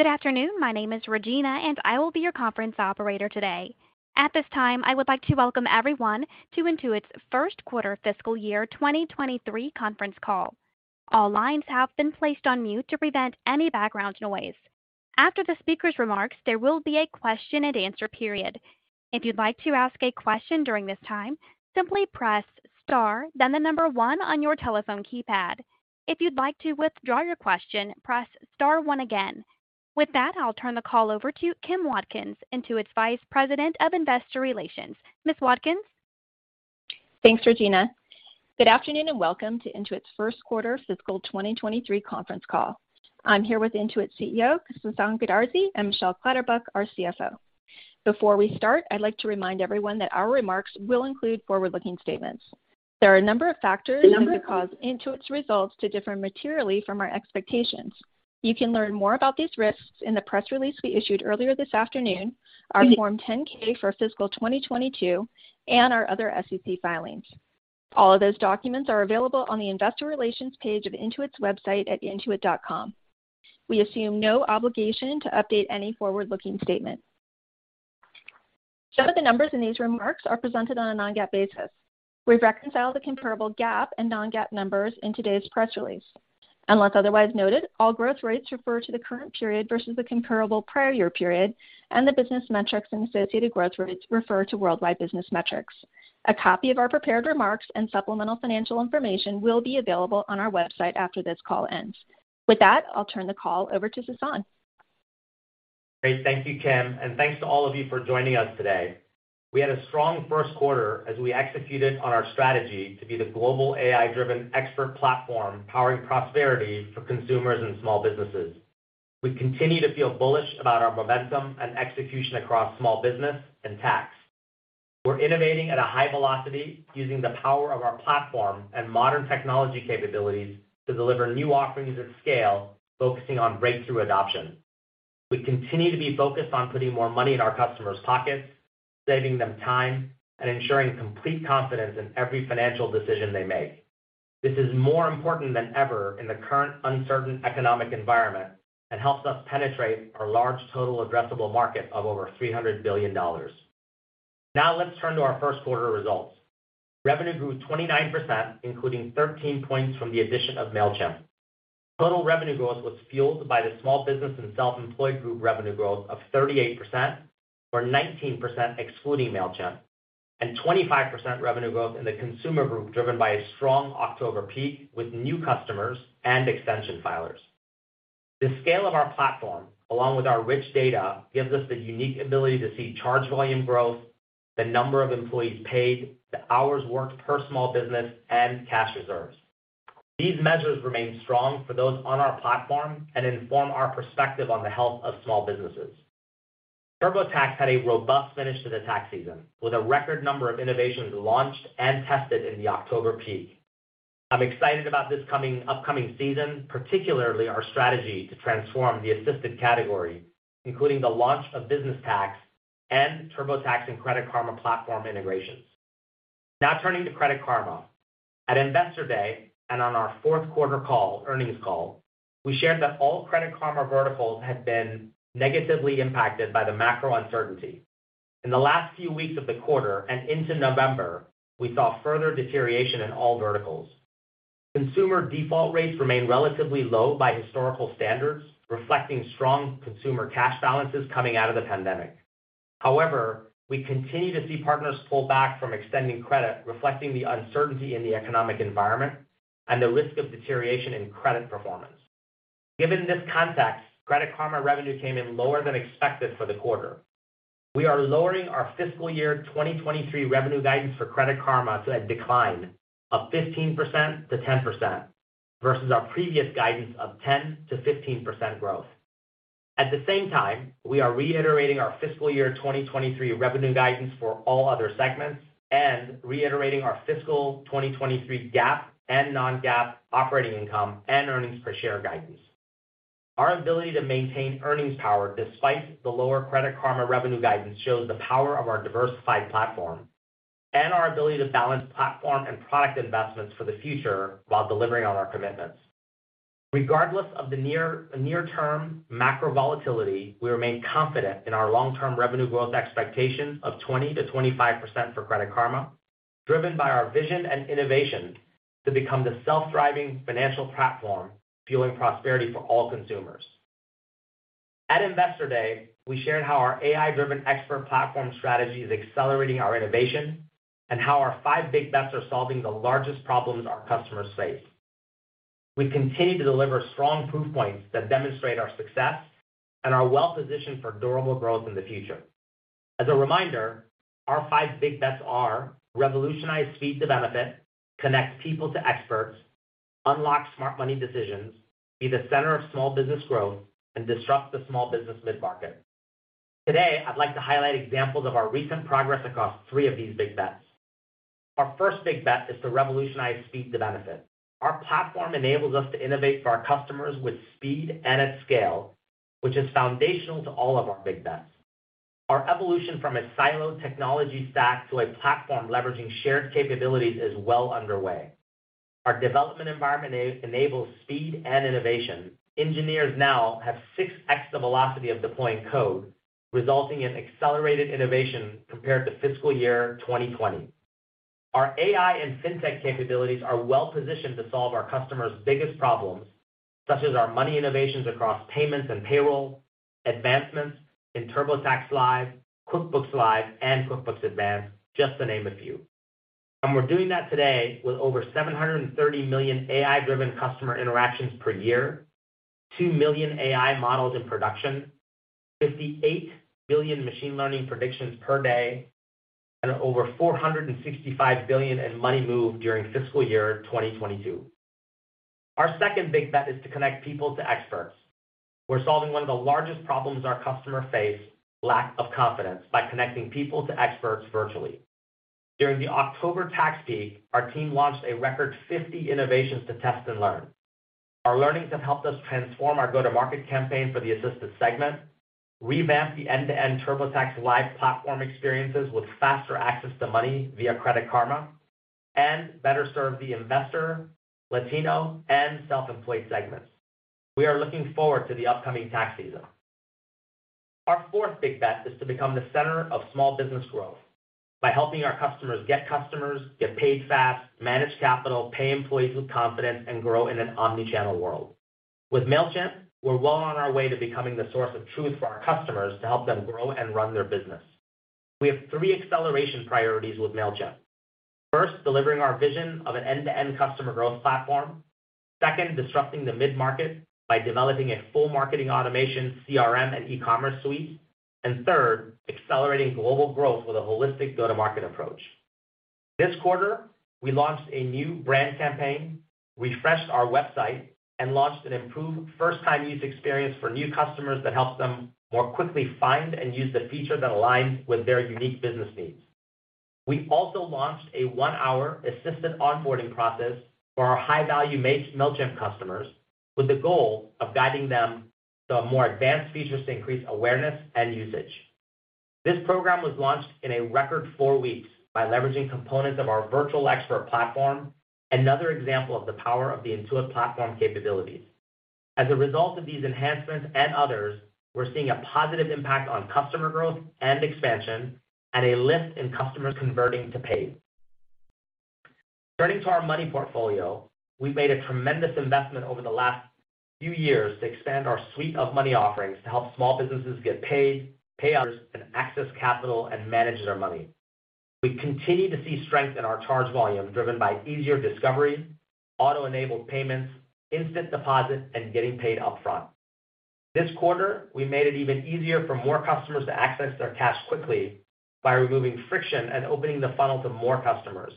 Good afternoon. My name is Regina. I will be your conference operator today. At this time, I would like to welcome everyone to Intuit's first quarter fiscal year 2023 conference call. All lines have been placed on mute to prevent any background noise. After the speaker's remarks, there will be a question and answer period. If you'd like to ask a question during this time, simply press star then the number one on your telephone keypad. If you'd like to withdraw your question, press star one again. With that, I'll turn the call over to Kim Watkins, Intuit's Vice President of Investor Relations. Ms. Watkins? Thanks, Regina. Good afternoon, and welcome to Intuit's first quarter fiscal 2023 conference call. I'm here with Intuit's CEO, Sasan Goodarzi, and Michelle Clatterbuck, our CFO. Before we start, I'd like to remind everyone that our remarks will include forward-looking statements. There are a number of factors that could cause Intuit's results to differ materially from our expectations. You can learn more about these risks in the press release we issued earlier this afternoon, our Form 10-K for fiscal 2022, and our other SEC filings. All of those documents are available on the investor relations page of Intuit's website at intuit.com. We assume no obligation to update any forward-looking statement. Some of the numbers in these remarks are presented on a non-GAAP basis. We've reconciled the comparable GAAP and non-GAAP numbers in today's press release.. Unless otherwise noted, all growth rates refer to the current period versus the comparable prior year period, and the business metrics and associated growth rates refer to worldwide business metrics. A copy of our prepared remarks and supplemental financial information will be available on our website after this call ends. With that, I'll turn the call over to Sasan. Great. Thank you, Kim, thanks to all of you for joining us today. We had a strong first quarter as we executed on our strategy to be the global AI-driven expert platform powering prosperity for consumers and small businesses. We continue to feel bullish about our momentum and execution across small business and tax. We're innovating at a high velocity using the power of our platform and modern technology capabilities to deliver new offerings at scale, focusing on breakthrough adoption. We continue to be focused on putting more money in our customers' pockets, saving them time, and ensuring complete confidence in every financial decision they make. This is more important than ever in the current uncertain economic environment and helps us penetrate our large total addressable market of over $300 billion. Now let's turn to our first quarter results. Revenue grew 29%, including 13 points from the addition of Mailchimp. Total revenue growth was fueled by the Small Business and Self-Employed Group revenue growth of 38% or 19% excluding Mailchimp, and 25% revenue growth in the Consumer Group driven by a strong October peak with new customers and extension filers. The scale of our platform, along with our rich data, gives us the unique ability to see charge volume growth, the number of employees paid, the hours worked per small business, and cash reserves. These measures remain strong for those on our platform and inform our perspective on the health of small businesses. TurboTax had a robust finish to the tax season, with a record number of innovations launched and tested in the October peak. I'm excited about this upcoming season, particularly our strategy to transform the assisted category, including the launch of business tax and TurboTax and Credit Karma platform integrations. Now turning to Credit Karma. At Investor Day and on our fourth quarter call, earnings call, we shared that all Credit Karma verticals had been negatively impacted by the macro uncertainty. In the last few weeks of the quarter and into November, we saw further deterioration in all verticals. Consumer default rates remain relatively low by historical standards, reflecting strong consumer cash balances coming out of the pandemic. However, we continue to see partners pull back from extending credit, reflecting the uncertainty in the economic environment and the risk of deterioration in credit performance. Given this context, Credit Karma revenue came in lower than expected for the quarter. We are lowering our fiscal year 2023 revenue guidance for Credit Karma to a decline of 15%-10% versus our previous guidance of 10%-15% growth. We are reiterating our fiscal year 2023 revenue guidance for all other segments and reiterating our fiscal 2023 GAAP and non-GAAP operating income and earnings per share guidance. Our ability to maintain earnings power despite the lower Credit Karma revenue guidance shows the power of our diversified platform and our ability to balance platform and product investments for the future while delivering on our commitments. Regardless of the near-term macro volatility, we remain confident in our long-term revenue growth expectations of 20%-25% for Credit Karma, driven by our vision and innovation to become the self-thriving financial platform fueling prosperity for all consumers. At Investor Day, we shared how our AI-driven expert platform strategy is accelerating our innovation and how our five big bets are solving the largest problems our customers face. We continue to deliver strong proof points that demonstrate our success and are well-positioned for durable growth in the future. As a reminder, our five big bets are revolutionize speed to benefit, connect people to experts, unlock smart money decisions, be the center of small business growth, and disrupt the small business mid-market. Today, I'd like to highlight examples of our recent progress across three of these big bets. Our first big bet is to revolutionize speed to benefit. Our platform enables us to innovate for our customers with speed and at scale, which is foundational to all of our big bets. Our evolution from a siloed technology stack to a platform leveraging shared capabilities is well underway. Our development environment enables speed and innovation. Engineers now have 6 extra velocity of deploying code, resulting in accelerated innovation compared to fiscal year 2020. Our AI and Fintech capabilities are well positioned to solve our customers' biggest problems, such as our money innovations across payments and payroll, advancements in TurboTax Live, QuickBooks Live, and QuickBooks Advanced, just to name a few. We're doing that today with over $730 million AI-driven customer interactions per year, $2 million AI models in production, $58 billion machine learning predictions per day, and over $465 billion in money moved during fiscal year 2022. Our second big bet is to connect people to experts. We're solving one of the largest problems our customer face, lack of confidence, by connecting people to experts virtually. During the October tax peak, our team launched a record 50 innovations to test and learn. Our learnings have helped us transform our go-to-market campaign for the assisted segment, revamp the end-to-end TurboTax Live platform experiences with faster access to money via Credit Karma, and better serve the investor, Latino, and self-employed segments. We are looking forward to the upcoming tax season. Our fourth big bet is to become the center of small business growth by helping our customers get customers, get paid fast, manage capital, pay employees with confidence, and grow in an omni-channel world. With Mailchimp, we're well on our way to becoming the source of truth for our customers to help them grow and run their business. We have three acceleration priorities with Mailchimp. First, delivering our vision of an end-to-end customer growth platform. Second, disrupting the mid-market by developing a full marketing automation CRM and e-commerce suite. Third, accelerating global growth with a holistic go-to-market approach. This quarter, we launched a new brand campaign, refreshed our website, and launched an improved first-time user experience for new customers that helps them more quickly find and use the feature that aligns with their unique business needs. We also launched a one-hour assistant onboarding process for our high-value Mailchimp customers with the goal of guiding them to our more advanced features to increase awareness and usage. This program was launched in a record four weeks by leveraging components of our virtual expert platform, another example of the power of the Intuit platform capabilities. As a result of these enhancements and others, we're seeing a positive impact on customer growth and expansion and a lift in customers converting to paid. Turning to our money portfolio, we've made a tremendous investment over the last few years to expand our suite of money offerings to help small businesses get paid, pay others, and access capital and manage their money. We continue to see strength in our charge volume, driven by easier discovery, auto-enabled payments, instant deposit, and getting paid upfront. This quarter, we made it even easier for more customers to access their cash quickly by removing friction and opening the funnel to more customers.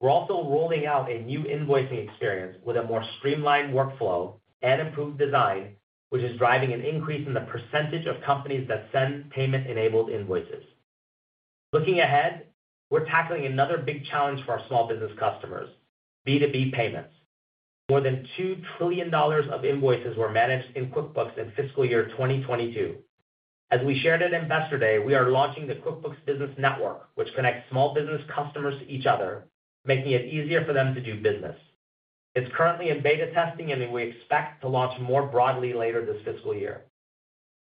We're also rolling out a new invoicing experience with a more streamlined workflow and improved design, which is driving an increase in the percentage of companies that send payment-enabled invoices. Looking ahead, we're tackling another big challenge for our small business customers, B2B payments. More than $2 trillion of invoices were managed in QuickBooks in fiscal year 2022. As we shared at Investor Day, we are launching the QuickBooks Business Network, which connects small business customers to each other, making it easier for them to do business. It's currently in beta testing, and we expect to launch more broadly later this fiscal year.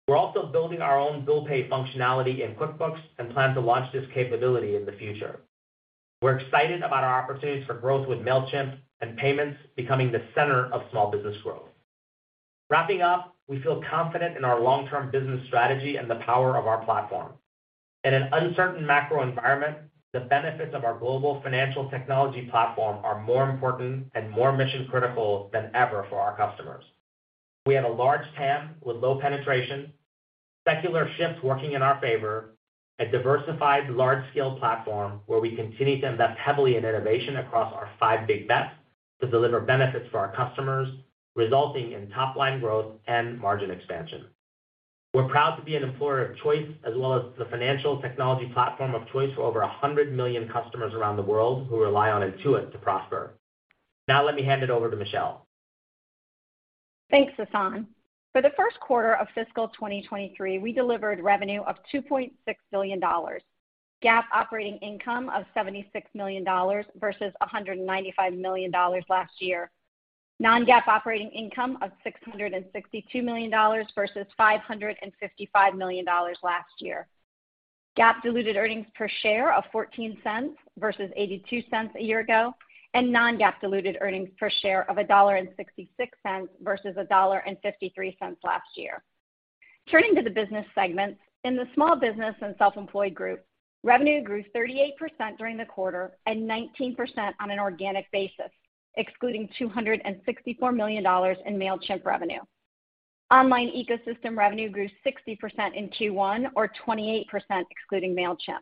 We're also building our own bill pay functionality in QuickBooks and plan to launch this capability in the future. We're excited about our opportunities for growth with Mailchimp and payments becoming the center of small business growth. Wrapping up, we feel confident in our long-term business strategy and the power of our platform. In an uncertain macro environment, the benefits of our global financial technology platform are more important and more mission-critical than ever for our customers. We have a large TAM with low penetration, secular shifts working in our favor, a diversified large-scale platform where we continue to invest heavily in innovation across our five big bets to deliver benefits for our customers, resulting in top-line growth and margin expansion. We're proud to be an employer of choice, as well as the financial technology platform of choice for over 100 million customers around the world who rely on Intuit to prosper. Now let me hand it over to Michelle. Thanks, Sasan. For the first quarter of fiscal 2023, we delivered revenue of $2.6 billion, GAAP operating income of $76 million versus $195 million last year, non-GAAP operating income of $662 million versus $555 million last year, GAAP diluted earnings per share of $0.14 versus $0.82 a year ago, and non-GAAP diluted earnings per share of $1.66 versus $1.53 last year. Turning to the business segments, in the Small Business and Self-Employed Group, revenue grew 38% during the quarter and 19% on an organic basis, excluding $264 million in Mailchimp revenue. Online ecosystem revenue grew 60% in Q1, or 28% excluding Mailchimp.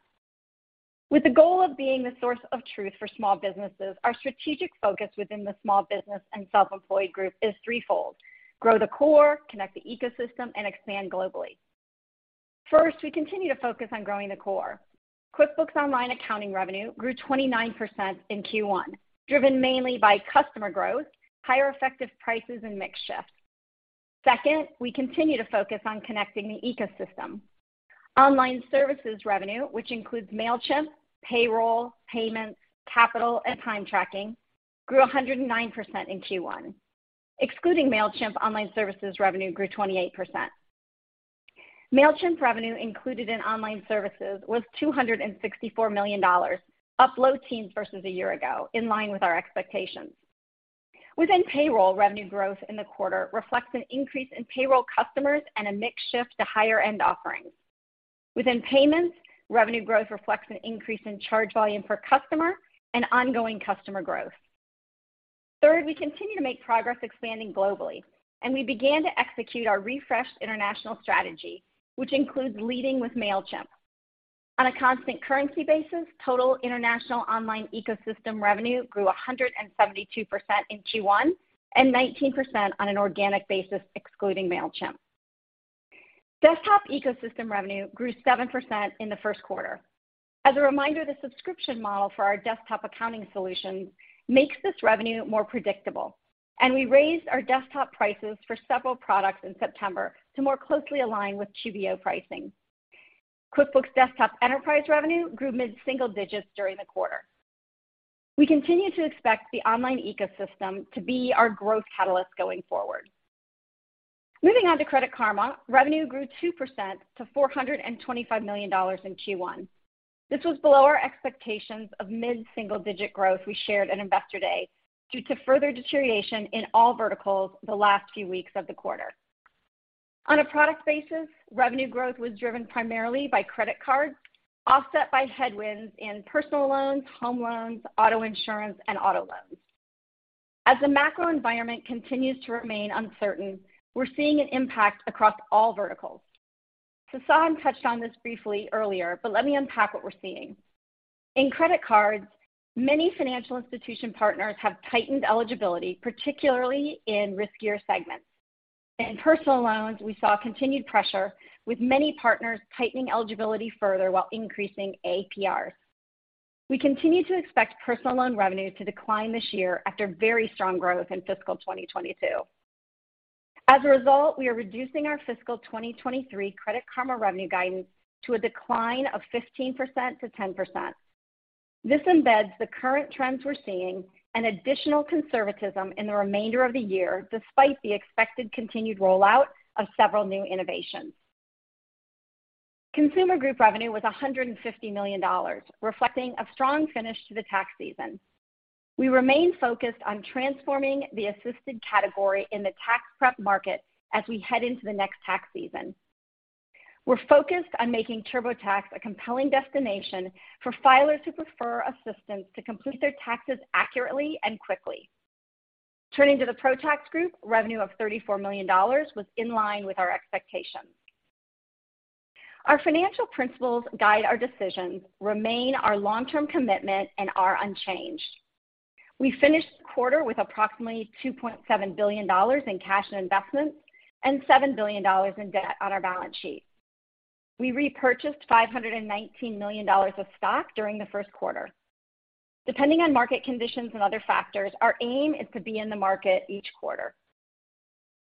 With the goal of being the source of truth for small businesses, our strategic focus within the Small Business and Self-Employed Group is threefold: grow the core, connect the ecosystem, and expand globally. We continue to focus on growing the core. QuickBooks Online accounting revenue grew 29% in Q1, driven mainly by customer growth, higher effective prices, and mix shifts. We continue to focus on connecting the ecosystem. Online services revenue, which includes Mailchimp, payroll, payments, capital and time tracking, grew 109% in Q1. Excluding Mailchimp, online services revenue grew 28%. Mailchimp revenue included in online services was $264 million, up low teens versus a year ago, in line with our expectations. Within payroll, revenue growth in the quarter reflects an increase in payroll customers and a mix shift to higher end offerings. Within payments, revenue growth reflects an increase in charge volume per customer and ongoing customer growth. We continue to make progress expanding globally, and we began to execute our refreshed international strategy, which includes leading with Mailchimp. On a constant currency basis, total international online ecosystem revenue grew 172% in Q1 and 19% on an organic basis, excluding Mailchimp. Desktop ecosystem revenue grew 7% in the first quarter. As a reminder, the subscription model for our desktop accounting solutions makes this revenue more predictable, and we raised our desktop prices for several products in September to more closely align with QBO pricing. QuickBooks Desktop Enterprise revenue grew mid-single digits during the quarter. We continue to expect the online ecosystem to be our growth catalyst going forward. Moving on to Credit Karma. Revenue grew 2% to $425 million in Q1. This was below our expectations of mid-single digit growth we shared in Investor Day due to further deterioration in all verticals the last few weeks of the quarter. On a product basis, revenue growth was driven primarily by credit cards, offset by headwinds in personal loans, home loans, auto insurance and auto loans. As the macro environment continues to remain uncertain, we're seeing an impact across all verticals. Sasan touched on this briefly earlier, but let me unpack what we're seeing. In credit cards, many financial institution partners have tightened eligibility, particularly in riskier segments. In personal loans, we saw continued pressure, with many partners tightening eligibility further while increasing APRs. We continue to expect personal loan revenues to decline this year after very strong growth in fiscal 2022. As a result, we are reducing our fiscal 2023 Credit Karma revenue guidance to a decline of 15% to 10%. This embeds the current trends we're seeing and additional conservatism in the remainder of the year, despite the expected continued rollout of several new innovations. Consumer Group revenue was $150 million, reflecting a strong finish to the tax season. We remain focused on transforming the assisted category in the tax prep market as we head into the next tax season. We're focused on making TurboTax a compelling destination for filers who prefer assistance to complete their taxes accurately and quickly. Turning to the ProTax Group, revenue of $34 million was in line with our expectations. Our financial principles guide our decisions, remain our long-term commitment, and are unchanged. We finished the quarter with approximately $2.7 billion in cash and investments and $7 billion in debt on our balance sheet. We repurchased $519 million of stock during the first quarter. Depending on market conditions and other factors, our aim is to be in the market each quarter.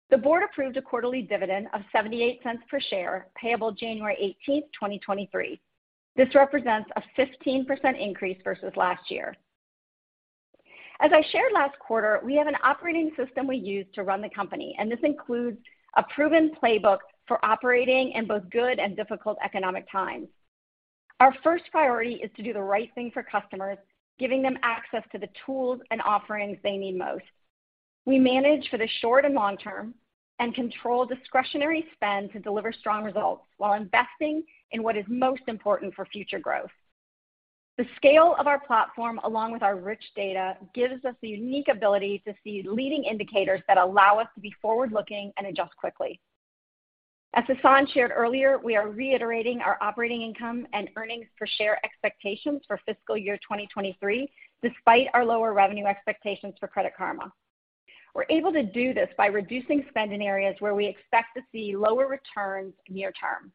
The board approved a quarterly dividend of $0.78 per share, payable January 18, 2023. This represents a 15% increase versus last year. As I shared last quarter, we have an operating system we use to run the company, and this includes a proven playbook for operating in both good and difficult economic times. Our first priority is to do the right thing for customers, giving them access to the tools and offerings they need most. We manage for the short and long term and control discretionary spend to deliver strong results while investing in what is most important for future growth. The scale of our platform, along with our rich data, gives us the unique ability to see leading indicators that allow us to be forward-looking and adjust quickly. As Sasan shared earlier, we are reiterating our operating income and earnings per share expectations for fiscal year 2023, despite our lower revenue expectations for Credit Karma. We're able to do this by reducing spend in areas where we expect to see lower returns near term.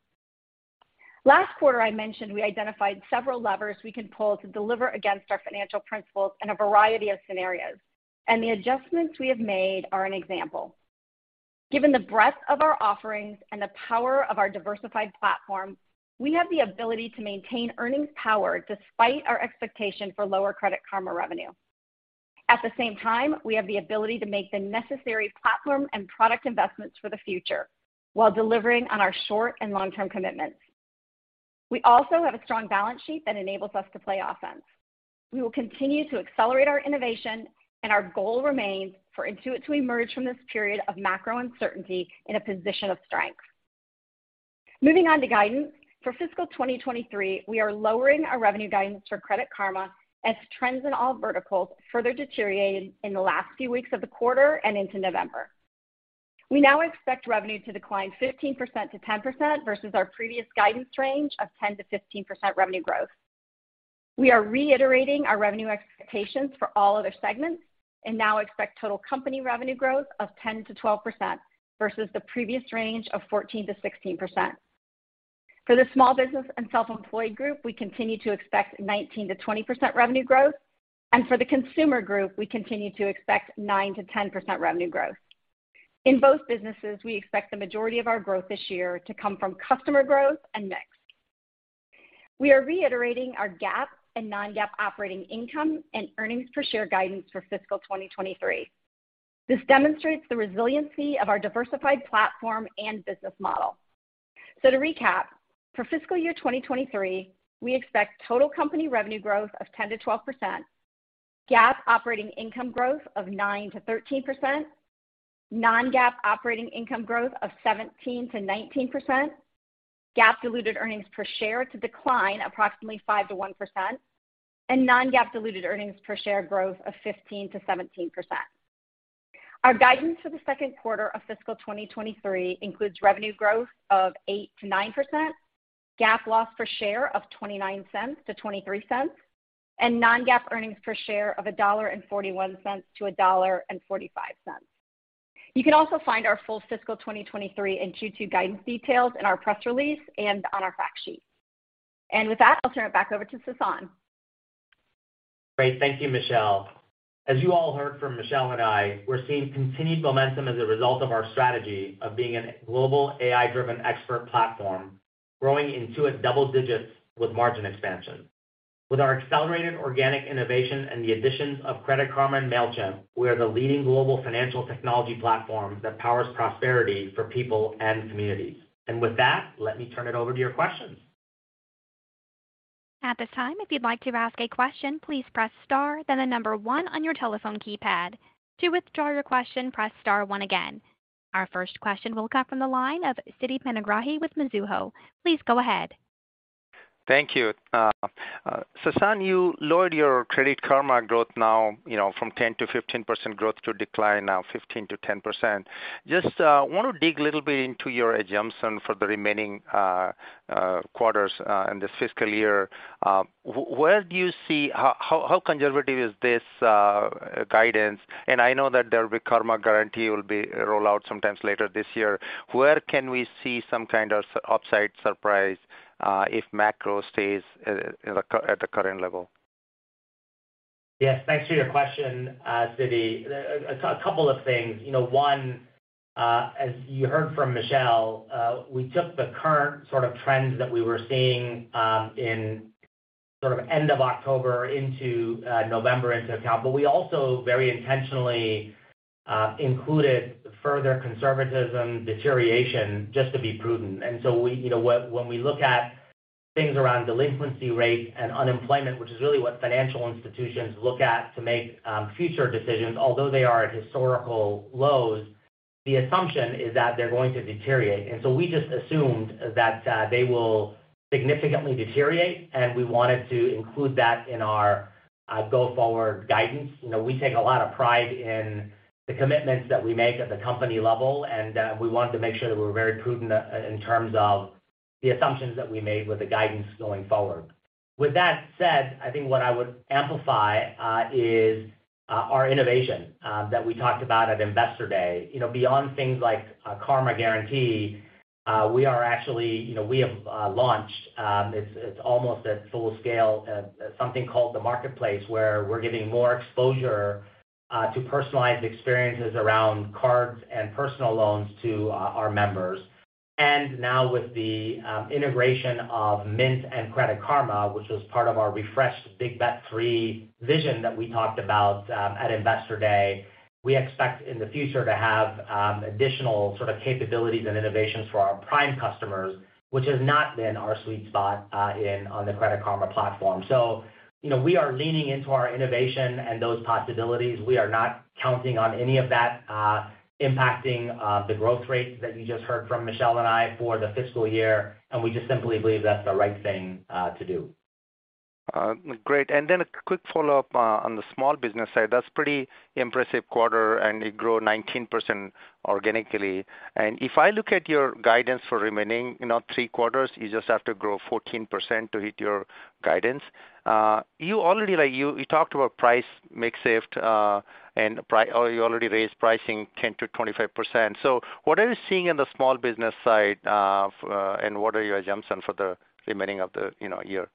Last quarter I mentioned we identified several levers we can pull to deliver against our financial principles in a variety of scenarios. The adjustments we have made are an example. Given the breadth of our offerings and the power of our diversified platform, we have the ability to maintain earnings power despite our expectation for lower Credit Karma revenue. At the same time, we have the ability to make the necessary platform and product investments for the future while delivering on our short and long-term commitments. We also have a strong balance sheet that enables us to play offense. We will continue to accelerate our innovation. Our goal remains for Intuit to emerge from this period of macro uncertainty in a position of strength. Moving on to guidance. For fiscal 2023, we are lowering our revenue guidance for Credit Karma as trends in all verticals further deteriorated in the last few weeks of the quarter and into November. We now expect revenue to decline 15% to 10% versus our previous guidance range of 10%-15% revenue growth. We are reiterating our revenue expectations for all other segments and now expect total company revenue growth of 10%-12% versus the previous range of 14%-16%. For the Small Business and Self-Employed Group, we continue to expect 19%-20% revenue growth. For the Consumer Group, we continue to expect 9%-10% revenue growth. In both businesses, we expect the majority of our growth this year to come from customer growth and mix. We are reiterating our GAAP and non-GAAP operating income and earnings per share guidance for fiscal 2023. This demonstrates the resiliency of our diversified platform and business model. To recap, for fiscal year 2023, we expect total company revenue growth of 10%-12%, GAAP operating income growth of 9%-13%, non-GAAP operating income growth of 17%-19%, GAAP diluted earnings per share to decline approximately -5% to -1%, and non-GAAP diluted earnings per share growth of 15%-17%. Our guidance for the second quarter of fiscal 2023 includes revenue growth of 8%-9%, GAAP loss per share of -$0.29 to -$0.23, and non-GAAP earnings per share of $1.41-$1.45. You can also find our full fiscal 2023 and Q2 guidance details in our press release and on our fact sheet. With that, I'll turn it back over to Sasan. Great. Thank you, Michelle. As you all heard from Michelle and I, we're seeing continued momentum as a result of our strategy of being a global AI-driven expert platform, growing Intuit double digits with margin expansion. With our accelerated organic innovation and the additions of Credit Karma and Mailchimp, we are the leading global financial technology platform that powers prosperity for people and communities. With that, let me turn it over to your questions. At this time, if you'd like to ask a question, please press star, then the number one on your telephone keypad. To withdraw your question, press Star one again. Our first question will come from the line of Siti Panigrahi with Mizuho. Please go ahead. Thank you. Sasan, you lowered your Credit Karma growth now, you know, from 10%-15% growth to decline now 15%-10%. Just want to dig a little bit into your assumption for the remaining quarters in this fiscal year. How conservative is this guidance? I know that there will be Karma Guarantee will be rolled out sometimes later this year. Where can we see some kind of upside surprise if macro stays at the current level? Yes. Thanks for your question, Siti. A couple of things. You know, one, as you heard from Michelle, we took the current sort of trends that we were seeing, in sort of end of October into November into account. We also very intentionally included further conservatism deterioration just to be prudent. We, you know, when we look at things around delinquency rates and unemployment, which is really what financial institutions look at to make future decisions, although they are at historical lows, the assumption is that they're going to deteriorate. We just assumed that they will significantly deteriorate, and we wanted to include that in our go-forward guidance. You know, we take a lot of pride in the commitments that we make at the company level, and we wanted to make sure that we're very prudent in terms of the assumptions that we made with the guidance going forward. With that said, I think what I would amplify is our innovation that we talked about at Investor Day. You know, beyond things like Karma Guarantee, we are actually, you know, we have launched, it's almost at full scale, something called the Marketplace, where we're giving more exposure to personalized experiences around cards and personal loans to our members. Now with the integration of Mint and Credit Karma, which was part of our refreshed Big Bet Three vision that we talked about at Investor Day, we expect in the future to have additional sort of capabilities and innovations for our prime customers, which has not been our sweet spot on the Credit Karma platform. You know, we are leaning into our innovation and those possibilities. We are not counting on any of that impacting the growth rates that you just heard from Michelle and I for the fiscal year. We just simply believe that's the right thing to do. Great. A quick follow-up, on the small business side. That's pretty impressive quarter, and it grow 19% organically. If I look at your guidance for remaining, you know, three quarters, you just have to grow 14% to hit your guidance. You already talked about price mix shift, and or you already raised pricing 10%-25%. What are you seeing in the small business side, and what are your assumptions for the remaining of the, you know, year?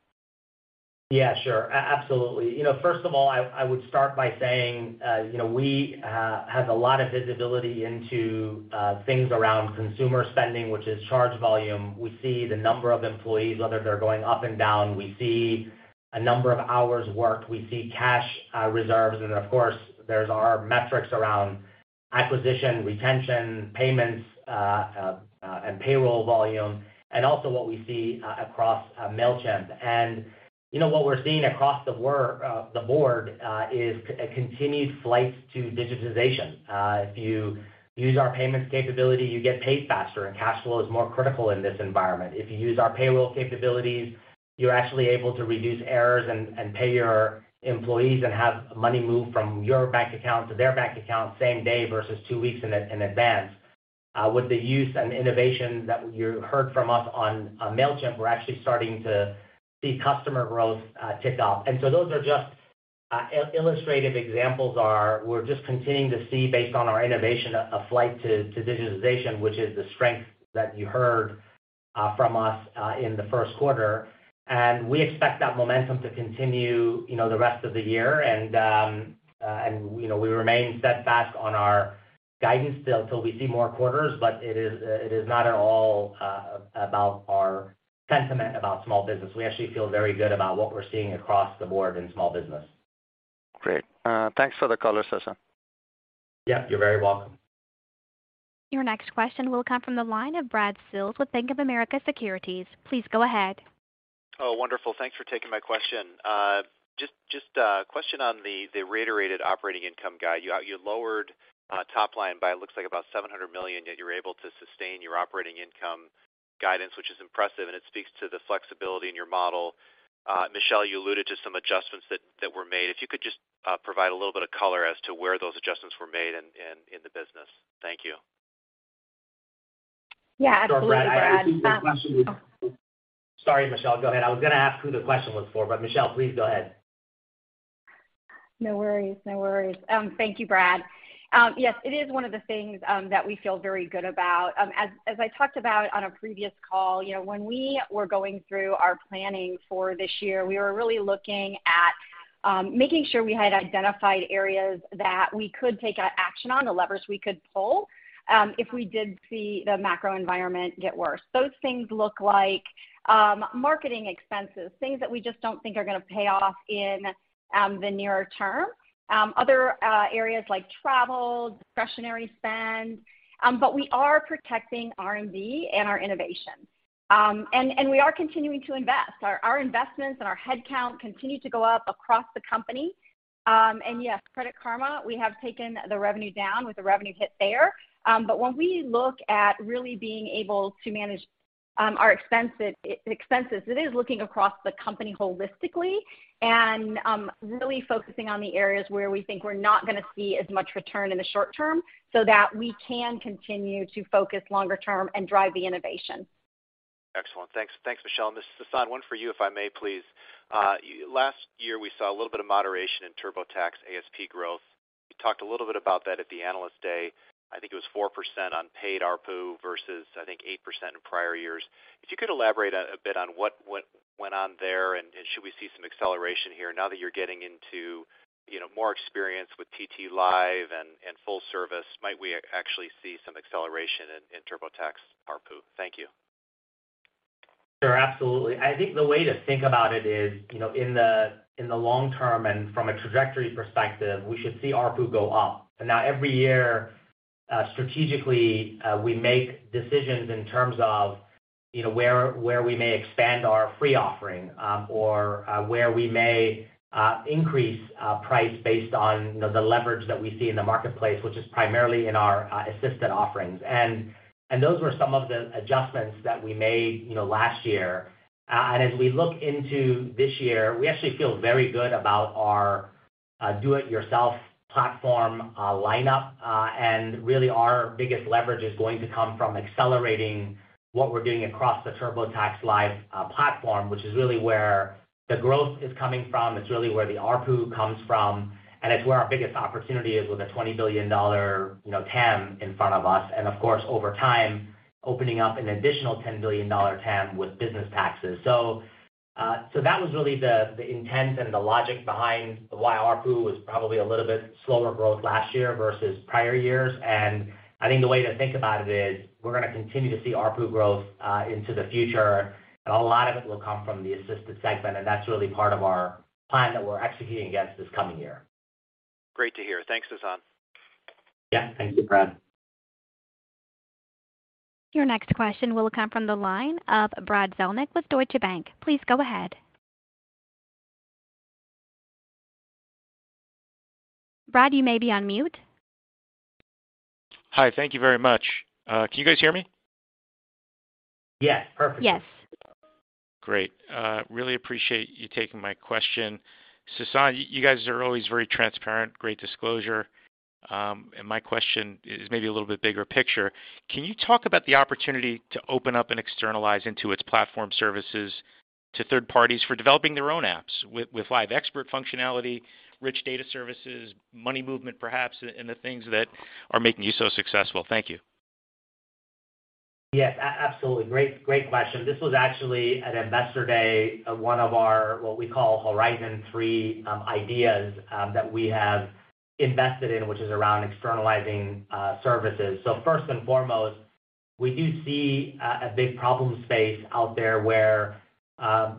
Yeah, sure. Absolutely. You know, first of all, I would start by saying, you know, we have a lot of visibility into things around consumer spending, which is charge volume. We see the number of employees, whether they're going up and down. We see a number of hours worked. We see cash reserves. Of course, there's our metrics around acquisition, retention, payments, and payroll volume, and also what we see across Mailchimp. You know, what we're seeing across the board is a continued flight to digitization. If you use our payments capability, you get paid faster, and cash flow is more critical in this environment. If you use our payroll capabilities, you're actually able to reduce errors and pay your employees and have money move from your bank account to their bank account same day versus two weeks in advance. With the use and innovation that you heard from us on Mailchimp, we're actually starting to see customer growth tick up. Those are just illustrative examples are we're just continuing to see based on our innovation, a flight to digitization, which is the strength that you heard from us in the first quarter. We expect that momentum to continue, you know, the rest of the year. You know, we remain steadfast on our guidance till we see more quarters. It is not at all about our sentiment about small business. We actually feel very good about what we're seeing across the board in small business. Great. Thanks for the color, Sasan. Yeah, you're very welcome. Your next question will come from the line of Brad Sills with Bank of America Securities. Please go ahead. Wonderful. Thanks for taking my question. Just a question on the reiterated operating income guide. You lowered top line by looks like about $700 million, yet you're able to sustain your operating income guidance, which is impressive, and it speaks to the flexibility in your model. Michelle, you alluded to some adjustments that were made. If you could just provide a little bit of color as to where those adjustments were made in the business. Thank you. Yeah, absolutely, Brad- Sure, Brad. Sorry, Michelle, go ahead. I was going to ask who the question was for, but Michelle, please go ahead. No worries. No worries. Thank you, Brad. Yes, it is one of the things that we feel very good about. As I talked about on a previous call, you know, when we were going through our planning for this year, we were really looking at making sure we had identified areas that we could take a action on, the levers we could pull, if we did see the macro environment get worse. Those things look like marketing expenses, things that we just don't think are gonna pay off in the nearer term. Other areas like travel, discretionary spend. We are protecting R&D and our innovation. We are continuing to invest. Our investments and our head count continue to go up across the company. Yes, Credit Karma, we have taken the revenue down with the revenue hit there. When we look at really being able to manage our expenses, it is looking across the company holistically and really focusing on the areas where we think we're not gonna see as much return in the short term, so that we can continue to focus longer term and drive the innovation. Excellent. Thanks. Thanks, Michelle. This is Sasan, one for you, if I may please? Last year, we saw a little bit of moderation in TurboTax ASP growth. You talked a little bit about that at the Analyst Day. I think it was 4% on paid ARPU versus, I think, 8% in prior years. If you could elaborate a bit on what went on there, and should we see some acceleration here now that you're getting into, you know, more experience with TT Live and full service, might we actually see some acceleration in TurboTax ARPU? Thank you. Sure. Absolutely. I think the way to think about it is, you know, in the long term and from a trajectory perspective, we should see ARPU go up. Now every year, strategically, we make decisions in terms of, you know, where we may expand our free offering, or where we may increase price based on, you know, the leverage that we see in the marketplace, which is primarily in our assistant offerings. Those were some of the adjustments that we made, you know, last year. As we look into this year, we actually feel very good about our do it yourself platform lineup. Really our biggest leverage is going to come from accelerating what we're doing across the TurboTax Live platform, which is really where the growth is coming from. It's really where the ARPU comes from, and it's where our biggest opportunity is with a $20 billion, you know, TAM in front of us. Of course, over time, opening up an additional $10 billion TAM with business taxes. That was really the intent and the logic behind why ARPU was probably a little bit slower growth last year versus prior years. I think the way to think about it is we're gonna continue to see ARPU growth into the future, and a lot of it will come from the assistant segment, and that's really part of our plan that we're executing against this coming year. Great to hear. Thanks, Sasan. Yeah. Thank you, Brad. Your next question will come from the line of Brad Zelnick with Deutsche Bank. Please go ahead. Brad, you may be on mute. Hi, thank you very much. Can you guys hear me? Yes, perfectly. Yes. Great. Really appreciate you taking my question. Sasan, you guys are always very transparent, great disclosure. My question is maybe a little bit bigger picture. Can you talk about the opportunity to open up and externalize Intuit's platform services to third parties for developing their own apps with live expert functionality, rich data services, money movement perhaps, and the things that are making you so successful? Thank you. Yes. Absolutely. Great, great question. This was actually at Investor Day, one of our, what we call Horizon 3, ideas that we have invested in, which is around externalizing services. First and foremost, we do see a big problem space out there where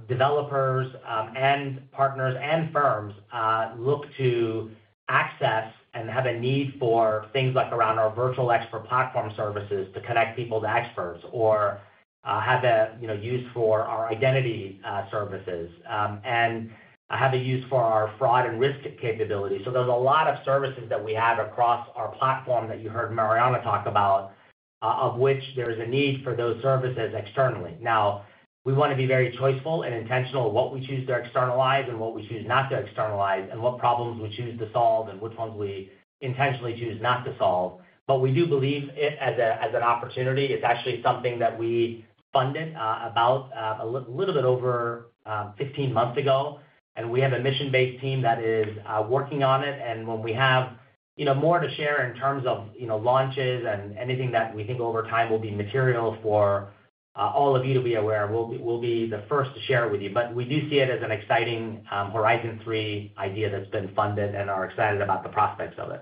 developers and partners and firms look to access and have a need for things like around our virtual expert platform services to connect people to experts or have a, you know, use for our identity services and have a use for our fraud and risk capability. There's a lot of services that we have across our platform that you heard Marianna talk about, of which there's a need for those services externally. Now, we wanna be very choiceful and intentional of what we choose to externalize and what we choose not to externalize, and what problems we choose to solve and which ones we intentionally choose not to solve. We do believe it as an opportunity. It's actually something that we funded about a little bit over 15 months ago. We have a mission-based team that is working on it. When we have you know, more to share in terms of, you know, launches and anything that we think over time will be material for all of you to be aware, we'll be, we'll be the first to share with you. We do see it as an exciting Horizon 3 idea that's been funded and are excited about the prospects of it.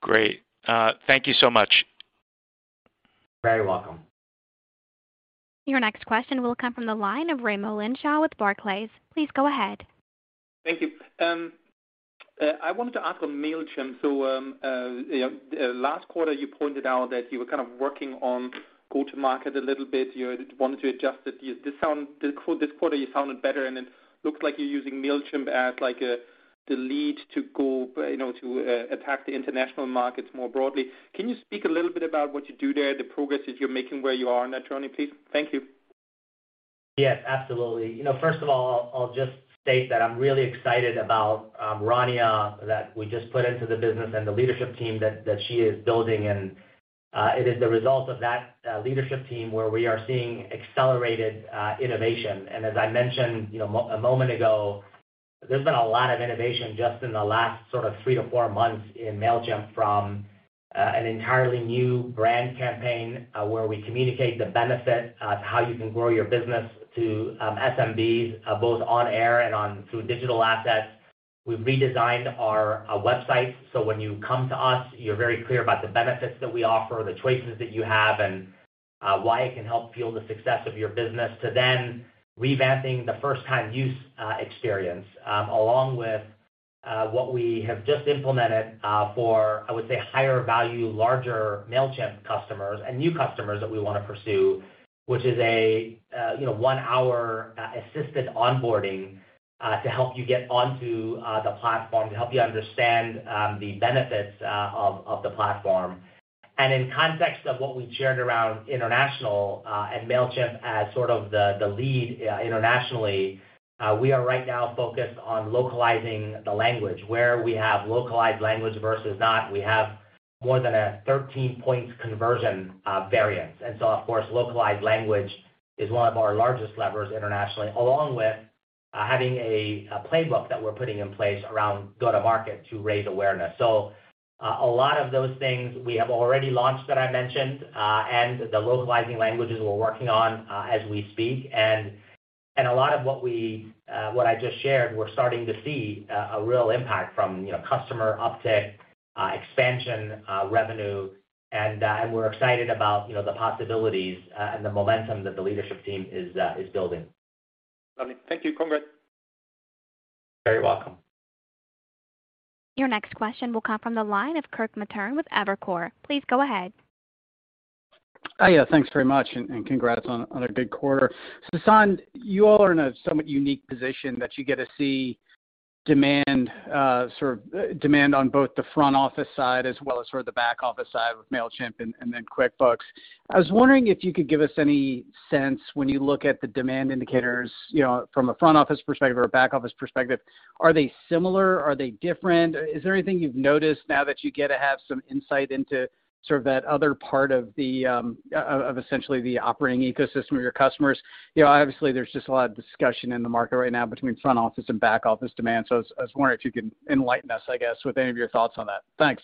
Great. Thank you so much. Very welcome. Your next question will come from the line of Raimo Lenschow with Barclays. Please go ahead. Thank you. I wanted to ask on Mailchimp. You know, last quarter, you pointed out that you were kind of working on go-to-market a little bit. You wanted to adjust it. This quarter, you sounded better, and it looks like you're using Mailchimp as, like, a the lead to go, you know, to attack the international markets more broadly. Can you speak a little bit about what you do there, the progress that you're making, where you are on that journey, please? Thank you. Yes, absolutely. You know, first of all, I'll just state that I'm really excited about Rania that we just put into the business and the leadership team that she is building, it is the result of that leadership team where we are seeing accelerated innovation. As I mentioned, you know, a moment ago, there's been a lot of innovation just in the last sort of three to four months in Mailchimp from an entirely new brand campaign, where we communicate the benefit of how you can grow your business to SMBs, both on air and on through digital assets. We've redesigned our website, so when you come to us, you're very clear about the benefits that we offer, the choices that you have, and why it can help fuel the success of your business to then revamping the first-time use experience along with what we have just implemented for, I would say, higher value, larger Mailchimp customers and new customers that we wanna pursue. Which is a, you know, one-hour assisted onboarding to help you get onto the platform, to help you understand the benefits of the platform. In context of what we shared around international and Mailchimp as sort of the lead internationally, we are right now focused on localizing the language. Where we have localized language versus not, we have more than a 13-point conversion variance. Of course, localized language is one of our largest levers internationally, along with having a playbook that we're putting in place around go-to-market to raise awareness. A lot of those things we have already launched that I mentioned, and the localizing languages we're working on as we speak. A lot of what I just shared, we're starting to see a real impact from, you know, customer uptick, expansion, revenue, and we're excited about, you know, the possibilities, and the momentum that the leadership team is building. Lovely. Thank you. Congrats. You're very welcome. Your next question will come from the line of Kirk Materne with Evercore. Please go ahead. Hi. Yeah, thanks very much, and congrats on a good quarter. Sasan, you all are in a somewhat unique position that you get to see demand, sort of demand on both the front office side as well as sort of the back office side with Mailchimp and then QuickBooks. I was wondering if you could give us any sense when you look at the demand indicators, you know, from a front office perspective or a back office perspective, are they similar? Are they different? Is there anything you've noticed now that you get to have some insight into sort of that other part of the essentially the operating ecosystem of your customers? You know, obviously, there's just a lot of discussion in the market right now between front office and back office demand. I was wondering if you could enlighten us, I guess, with any of your thoughts on that. Thanks.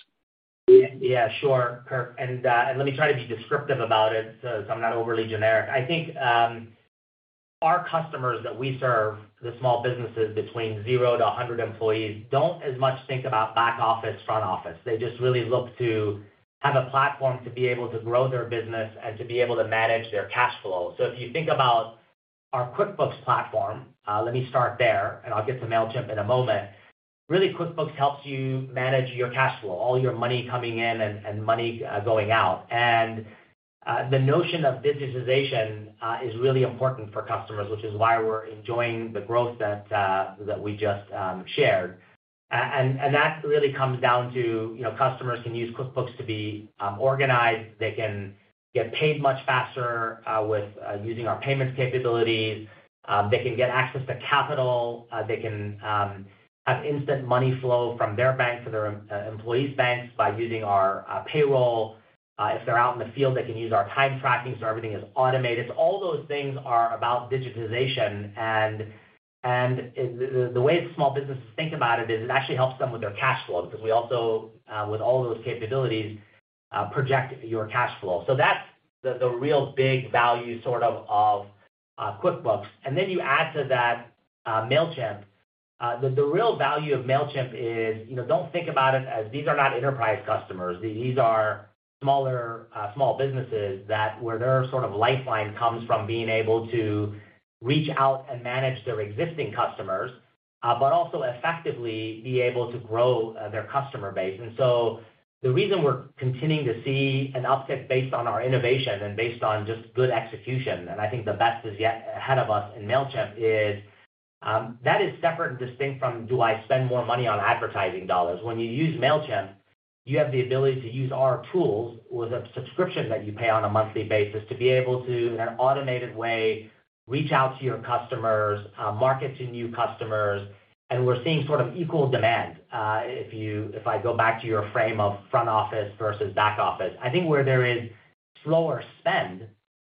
Yeah, sure, Kirk, and let me try to be descriptive about it so I'm not overly generic. I think, our customers that we serve, the small businesses between zero to 100 employees, don't as much think about back office, front office. They just really look to have a platform to be able to grow their business and to be able to manage their cash flow. If you think about our QuickBooks platform, let me start there, and I'll get to Mailchimp in a moment. Really, QuickBooks helps you manage your cash flow, all your money coming in and money going out. The notion of digitization is really important for customers, which is why we're enjoying the growth that we just shared. That really comes down to, you know, customers can use QuickBooks to be organized. They can get paid much faster with using our payments capabilities. They can get access to capital. They can have instant money flow from their bank to their employees banks by using our payroll. If they're out in the field, they can use our time tracking, so everything is automated. All those things are about digitization, and the way small businesses think about it is it actually helps them with their cash flow because we also with all those capabilities project your cash flow. That's the real big value sort of QuickBooks. Then you add to that Mailchimp. The real value of Mailchimp is, you know, don't think about it as these are not enterprise customers. These are smaller, small businesses that where their sort of lifeline comes from being able to reach out and manage their existing customers, but also effectively be able to grow, their customer base. The reason we're continuing to see an uptick based on our innovation and based on just good execution, and I think the best is yet ahead of us in Mailchimp, is that is separate and distinct from do I spend more money on advertising dollars? When you use Mailchimp, you have the ability to use our tools with a subscription that you pay on a monthly basis to be able to, in an automated way, reach out to your customers, market to new customers, we're seeing sort of equal demand. If I go back to your frame of front office versus back office, I think where there is slower spend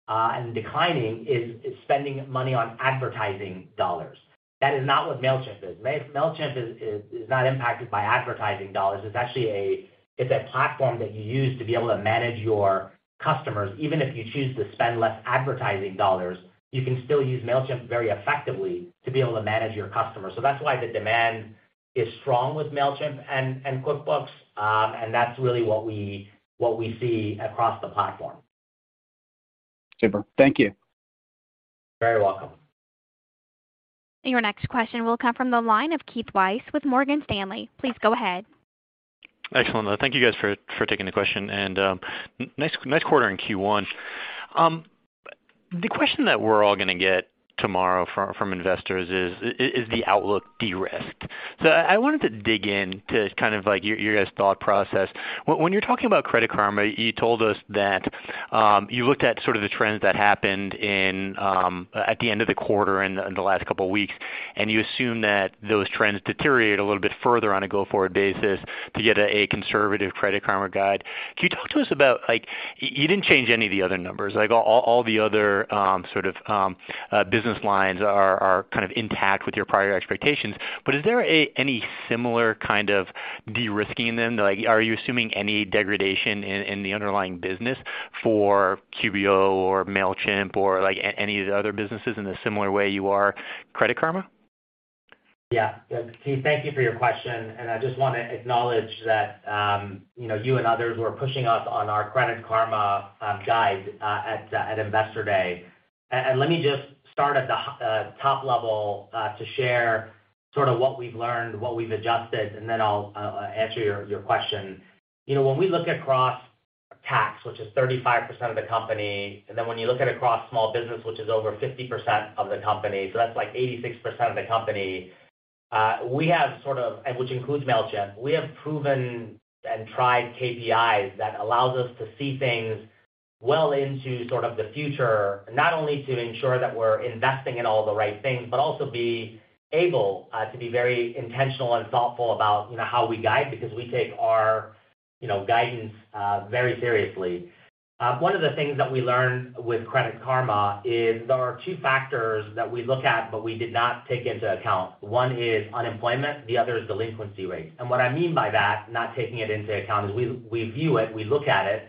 and declining is spending money on advertising dollars. That is not what Mailchimp is. Mailchimp is not impacted by advertising dollars. It's actually a platform that you use to be able to manage your customers. Even if you choose to spend less advertising dollars, you can still use Mailchimp very effectively to be able to manage your customers. That's why the demand is strong with Mailchimp and QuickBooks. That's really what we, what we see across the platform. Super. Thank you. Very welcome. Your next question will come from the line of Keith Weiss with Morgan Stanley. Please go ahead. Excellent. Thank you guys for taking the question. Nice quarter in Q1. The question that we're all gonna get tomorrow from investors is the outlook de-risked? I wanted to dig in to kind of like your guys' thought process. When you're talking about Credit Karma, you told us that you looked at sort of the trends that happened at the end of the quarter and in the last couple weeks. And you assume that those trends deteriorate a little bit further on a go-forward basis to get a conservative Credit Karma guide. Can you talk to us about, like, you didn't change any of the other numbers. Like all the other sort of business lines are kind of intact with your prior expectations. Is there any similar kind of de-risking then? Like, are you assuming any degradation in the underlying business for QBO or Mailchimp or like any of the other businesses in a similar way you are Credit Karma? Yeah. Yeah. Keith, thank you for your question. I just wanna acknowledge that, you know, you and others were pushing us on our Credit Karma guide at Investor Day. Let me just start at the top level to share sort of what we've learned, what we've adjusted, and then I'll answer your question. You know, when we look across tax, which is 35% of the company, and then when you look at across small business, which is over 50% of the company, so that's like 86% of the company. Which includes Mailchimp. We have proven and tried KPIs that allows us to see things well into sort of the future, not only to ensure that we're investing in all the right things, but also be able to be very intentional and thoughtful about, you know, how we guide because we take our, you know, guidance very seriously. One of the things that we learned with Credit Karma is there are two factors that we look at, but we did not take into account. One is unemployment, the other is delinquency rates. What I mean by that, not taking it into account, is we view it, we look at it,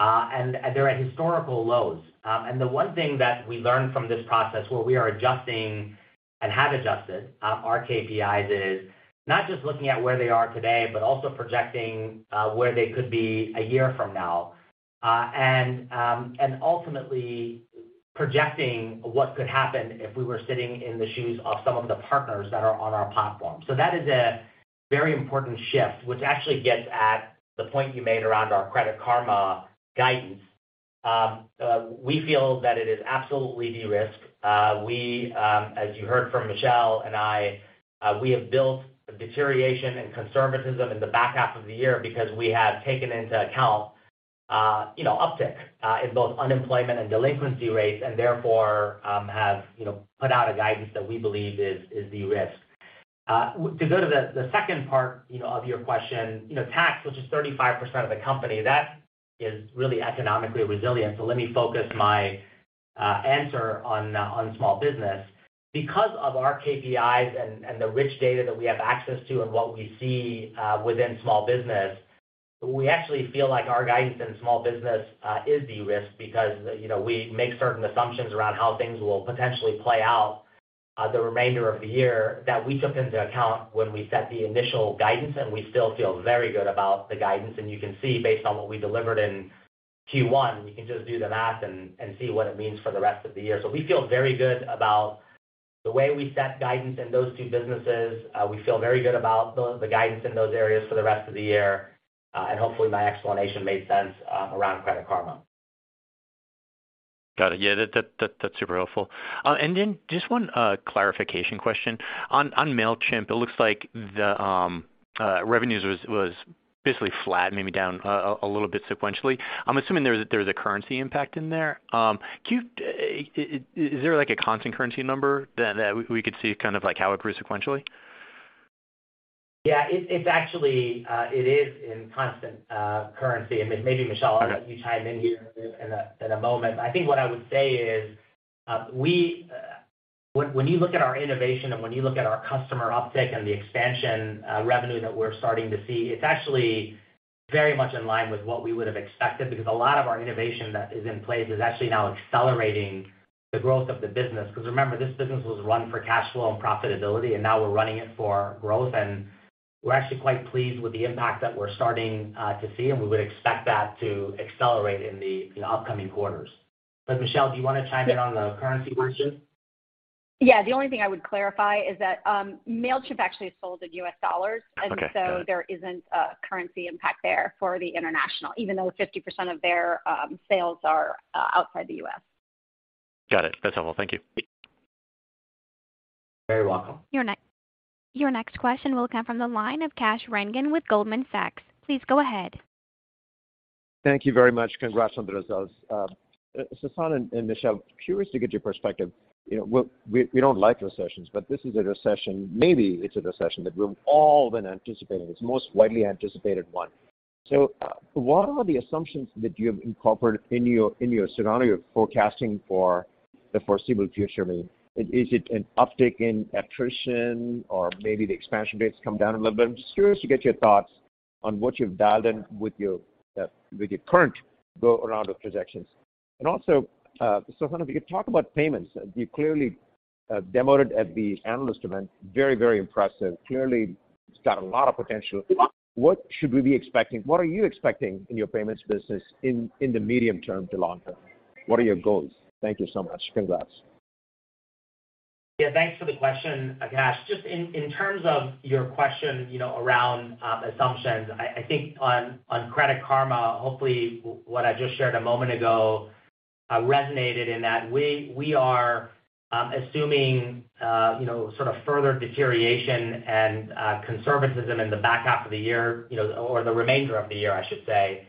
and they're at historical lows. The one thing that we learned from this process where we are adjusting and have adjusted, our KPIs is not just looking at where they are today, but also projecting, where they could be a year from now. And ultimately projecting what could happen if we were sitting in the shoes of some of the partners that are on our platform. That is a very important shift, which actually gets at the point you made around our Credit Karma guidance. We feel that it is absolutely de-risked. We, as you heard from Michelle and I, we have built deterioration and conservatism in the back half of the year because we have taken into account, you know, uptick, in both unemployment and delinquency rates and therefore, have, you know, put out a guidance that we believe is de-risked. To go to the second part, you know, of your question, you know, tax, which is 35% of the company, that is really economically resilient. let me focus my answer on small business. Because of our KPIs and the rich data that we have access to and what we see within small business, we actually feel like our guidance in small business is de-risked because, you know, we make certain assumptions around how things will potentially play out the remainder of the year that we took into account when we set the initial guidance. We still feel very good about the guidance. You can see based on what we delivered in Q1, you can just do the math and see what it means for the rest of the year. We feel very good about the way we set guidance in those two businesses. We feel very good about the guidance in those areas for the rest of the year. Hopefully, my explanation made sense around Credit Karma. Got it. Yeah. That's super helpful. Then just one clarification question. On Mailchimp, it looks like the revenues was basically flat, maybe down a little bit sequentially. I'm assuming there was a currency impact in there. Can you... Is there like a constant currency number that we could see kind of like how it grew sequentially? Yeah. It's actually it is in constant currency. Maybe Michelle- Okay. I'll let you chime in here in a moment. I think what I would say is, when you look at our innovation and when you look at our customer uptick and the expansion revenue that we're starting to see, it's actually very much in line with what we would have expected because a lot of our innovation that is in place is actually now accelerating the growth of the business. Remember, this business was run for cash flow and profitability, and now we're running it for growth. We're actually quite pleased with the impact that we're starting to see, and we would expect that to accelerate in the upcoming quarters. Michelle, do you wanna chime in on the currency question? Yeah. The only thing I would clarify is that, Mailchimp actually sold in US dollars. Okay. Got it. there isn't a currency impact there for the international, even though 50% of their sales are outside the U.S. Got it. That's helpful. Thank you. You're very welcome. Your next question will come from the line of Kash Rangan with Goldman Sachs. Please go ahead. Thank you very much. Congrats on the results. Sasan and Michelle, curious to get your perspective. You know, we don't like recessions, but this is a recession, maybe it's a recession that we've all been anticipating. It's the most widely anticipated one. So what are the assumptions that you have incorporated in your, in your scenario forecasting for the foreseeable future mean? Is it an uptick in attrition or maybe the expansion base come down a little bit? I'm just curious to get your thoughts on what you've dialed in with your, with your current go around of projections. If you could talk about payments, you clearly demoed it at the analyst event. Very, very impressive. Clearly, it's got a lot of potential. What should we be expecting? What are you expecting in your payments business in the medium term to long term? What are your goals? Thank you so much. Congrats. Yeah, thanks for the question, Kash. Just in terms of your question, you know, around assumptions, I think on Credit Karma, hopefully what I just shared a moment ago, resonated in that we are assuming, you know, sort of further deterioration and conservatism in the back half of the year, you know, or the remainder of the year. I should say,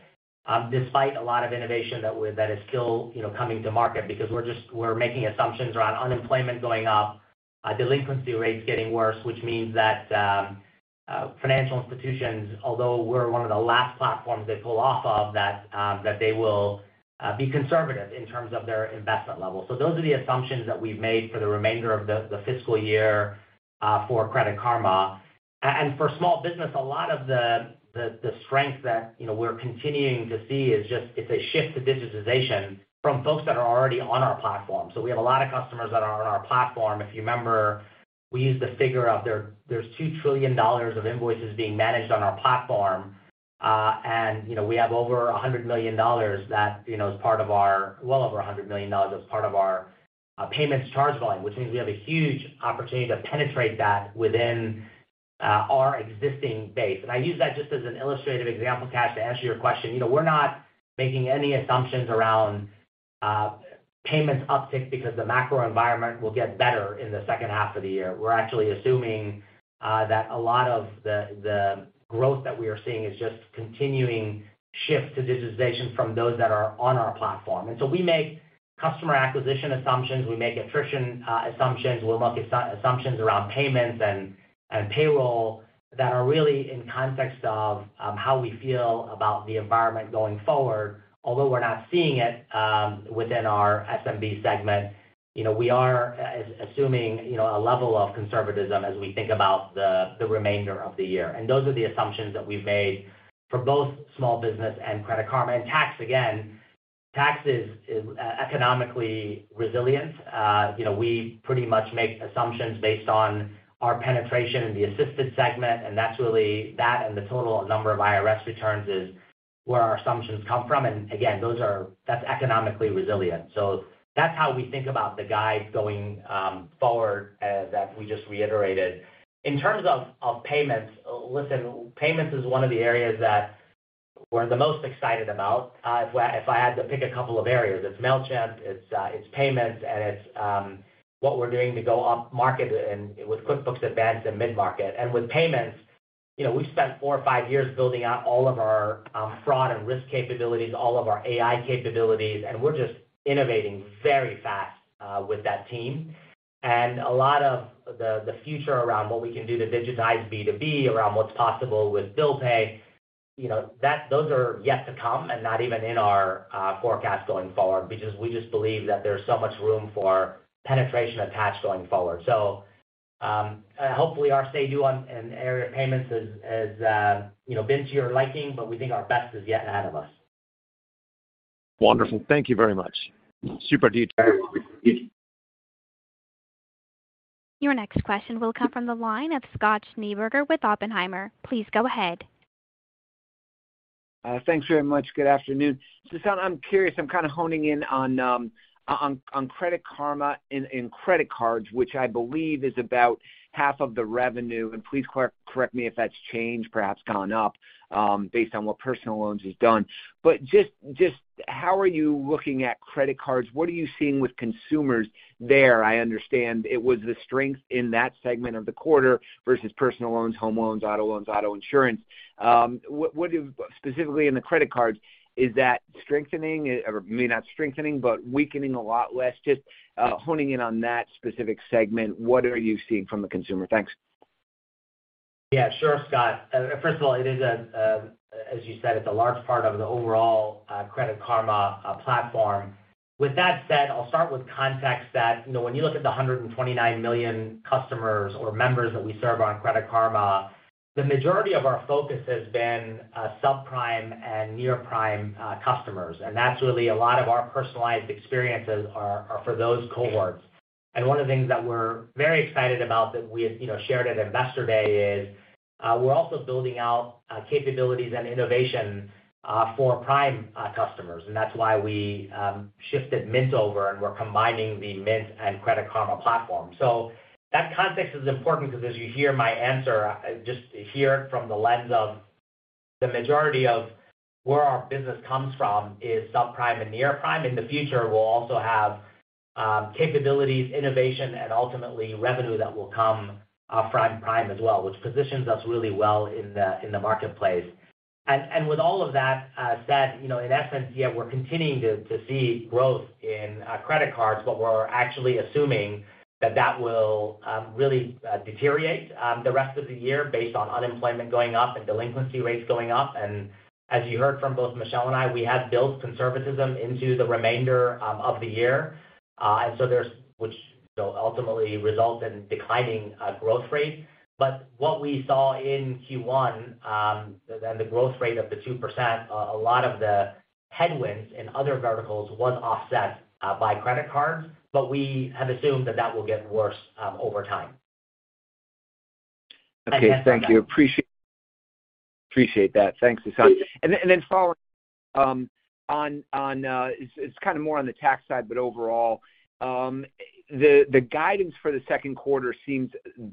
despite a lot of innovation that is still, you know, coming to market because we're making assumptions around unemployment going up, delinquency rates getting worse, which means that financial institutions, although we're one of the last platforms they pull off of, that they will be conservative in terms of their investment level. Those are the assumptions that we've made for the remainder of the fiscal year for Credit Karma. For small business, a lot of the strength that, you know, we're continuing to see is just, it's a shift to digitization from folks that are already on our platform. We have a lot of customers that are on our platform. If you remember, we used the figure of there's $2 trillion of invoices being managed on our platform, and, you know, we have over $100 million that, you know, well over $100 million as part of our payments charge volume, which means we have a huge opportunity to penetrate that within our existing base. I use that just as an illustrative example, Kash, to answer your question. You know, we're not making any assumptions around payments uptick because the macro environment will get better in the second half of the year. We're actually assuming that a lot of the growth that we are seeing is just continuing shift to digitization from those that are on our platform. So we make customer acquisition assumptions, we make attrition assumptions, we make assumptions around payments and payroll that are really in context of how we feel about the environment going forward. Although we're not seeing it within our SMB segment, you know, we are assuming, you know, a level of conservatism as we think about the remainder of the year. Those are the assumptions that we've made for both small business and Credit Karma. Tax again, tax is economically resilient. You know, we pretty much make assumptions based on our penetration in the assistant segment, and that's really that, and the total number of IRS returns is where our assumptions come from. Again, that's economically resilient. That's how we think about the guide going forward as we just reiterated. In terms of payments. Listen, payments is one of the areas that we're the most excited about. If I had to pick a couple of areas, it's Mailchimp, it's payments, and it's what we're doing to go upmarket and with QuickBooks Advanced and mid-market. With payments, you know, we've spent four or five years building out all of our fraud and risk capabilities, all of our AI capabilities, and we're just innovating very fast with that team. A lot of the future around what we can do to digitize B2B around what's possible with bill pay, you know, those are yet to come and not even in our forecast going forward, because we just believe that there's so much room for penetration attached going forward. Hopefully our stay due on an area of payments has, you know, been to your liking, but we think our best is yet ahead of us. Wonderful. Thank you very much. Super detailed. Your next question will come from the line of Scott Schneeberger with Oppenheimer. Please go ahead. Thanks very much. Good afternoon. Sasan, I'm curious, I'm kinda honing in on Credit Karma in credit cards, which I believe is about half of the revenue. Please correct me if that's changed, perhaps gone up, based on what personal loans has done. Just how are you looking at credit cards? What are you seeing with consumers there? I understand it was the strength in that segment of the quarter versus personal loans, home loans, auto loans, auto insurance. What specifically in the credit cards, is that strengthening or maybe not strengthening, but weakening a lot less? Just honing in on that specific segment, what are you seeing from the consumer? Thanks. Yeah, sure, Scott. First of all, it is, as you said, it's a large part of the overall Credit Karma platform. With that said, I'll start with context that, you know, when you look at the 129 million customers or members that we serve on Credit Karma, the majority of our focus has been subprime and near-prime customers. That's really a lot of our personalized experiences are for those cohorts. One of the things that we're very excited about that we, you know, shared at Investor Day is we're also building out capabilities and innovation for prime customers. That's why we shifted Mint over and we're combining the Mint and Credit Karma platform. That context is important because as you hear my answer, just hear it from the lens of the majority of where our business comes from is subprime and near prime. In the future, we'll also have capabilities, innovation, and ultimately revenue that will come from Prime as well, which positions us really well in the marketplace. With all of that said, you know, in essence, yeah, we're continuing to see growth in credit cards, but we're actually assuming that that will really deteriorate the rest of the year based on unemployment going up and delinquency rates going up. As you heard from both Michelle and I, we have built conservatism into the remainder of the year. There's which will ultimately result in declining growth rate. What we saw in Q1, and the growth rate of the 2%, a lot of the headwinds in other verticals was offset by credit cards, but we have assumed that that will get worse over time. Okay. Thank you. Appreciate that. Thanks, Sasan. Following on, it's kind of more on the tax side, but overall, the guidance for the second quarter seems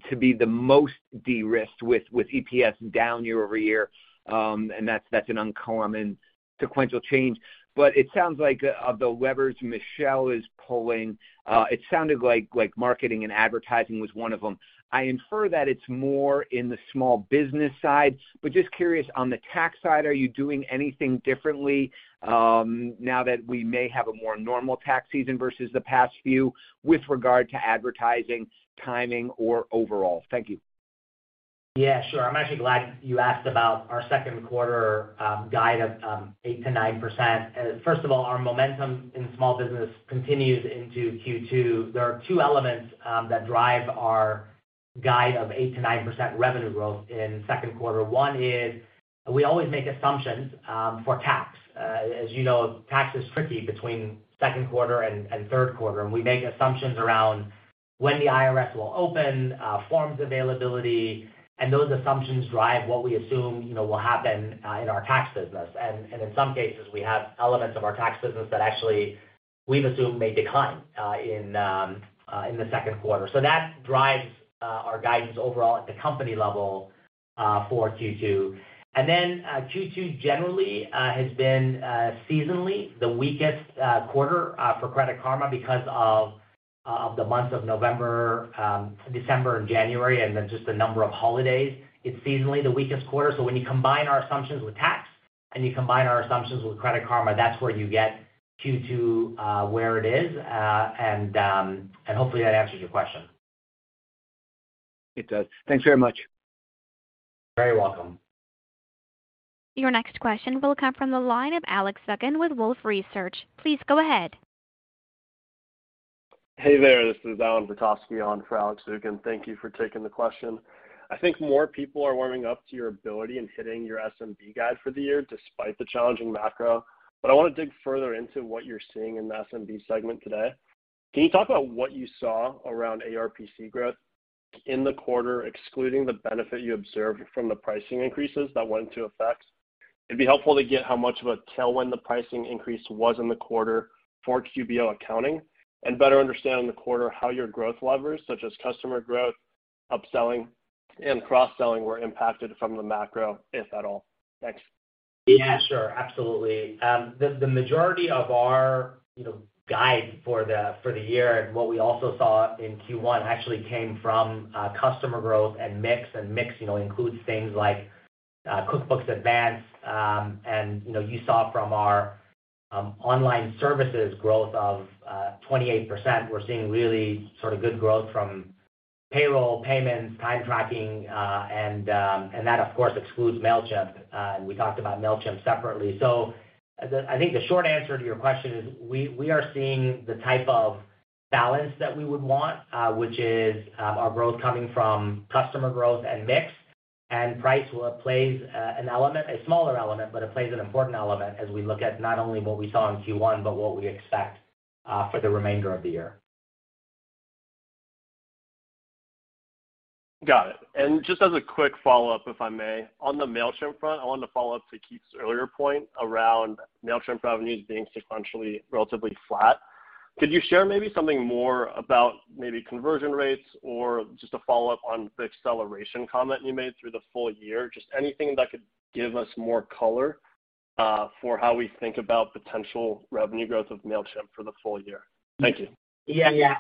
to be the most de-risked with EPS down year-over-year, and that's an uncommon sequential change. It sounds like of the levers Michelle is pulling, it sounded like marketing and advertising was one of them. I infer that it's more in the small business side. Just curious, on the tax side, are you doing anything differently, now that we may have a more normal tax season versus the past few with regard to advertising, timing or overall? Thank you. Yeah, sure. I'm actually glad you asked about our second quarter, guide of 8%-9%. First of all, our momentum in small business continues into Q2. There are two elements that drive our guide of 8%-9% revenue growth in second quarter. One is we always make assumptions for tax. As you know, tax is tricky between second quarter and third quarter, and we make assumptions around when the IRS will open forms availability, and those assumptions drive what we assume, you know, will happen in our tax business. In some cases, we have elements of our tax business that actually we've assumed may decline in the second quarter. That drives our guidance overall at the company level for Q2. Q2 generally has been seasonally the weakest quarter for Credit Karma because of the months of November, December and January, and then just the number of holidays. It's seasonally the weakest quarter. When you combine our assumptions with tax and you combine our assumptions with Credit Karma, that's where you get Q2 where it is. Hopefully that answers your question. It does. Thanks very much. You're very welcome. Your next question will come from the line of Alex Zukin with Wolfe Research. Please go ahead. Hey there, this is Allan Wasylkiw on for Alex Zukin. Thank you for taking the question. I think more people are warming up to your ability in hitting your SMB guide for the year despite the challenging macro. I want to dig further into what you're seeing in the SMB segment today. Can you talk about what you saw around ARPC growth in the quarter, excluding the benefit you observed from the pricing increases that went into effect? It'd be helpful to get how much of a tailwind the pricing increase was in the quarter for QBO accounting and better understand the quarter, how your growth levers such as customer growth, upselling and cross-selling were impacted from the macro, if at all. Thanks. Yeah, sure. Absolutely. The, the majority of our, you know, guide for the, for the year and what we also saw in Q1 actually came from customer growth and mix. Mix, you know, includes things like QuickBooks Advanced. You know, you saw from our online services growth of 28%, we're seeing really sort of good growth from payroll, payments, time tracking, and that, of course, excludes Mailchimp, and we talked about Mailchimp separately. I think the short answer to your question is we are seeing the type of balance that we would want, which is our growth coming from customer growth and mix, and price will plays an element, a smaller element, but it plays an important element as we look at not only what we saw in Q1, but what we expect for the remainder of the year. Got it. Just as a quick follow-up, if I may. On the Mailchimp front, I wanted to follow up to Keith's earlier point around Mailchimp revenues being sequentially relatively flat. Could you share maybe something more about maybe conversion rates or just a follow-up on the acceleration comment you made through the full year? Just anything that could give us more color for how we think about potential revenue growth of Mailchimp for the full year. Thank you. Yeah. Yeah.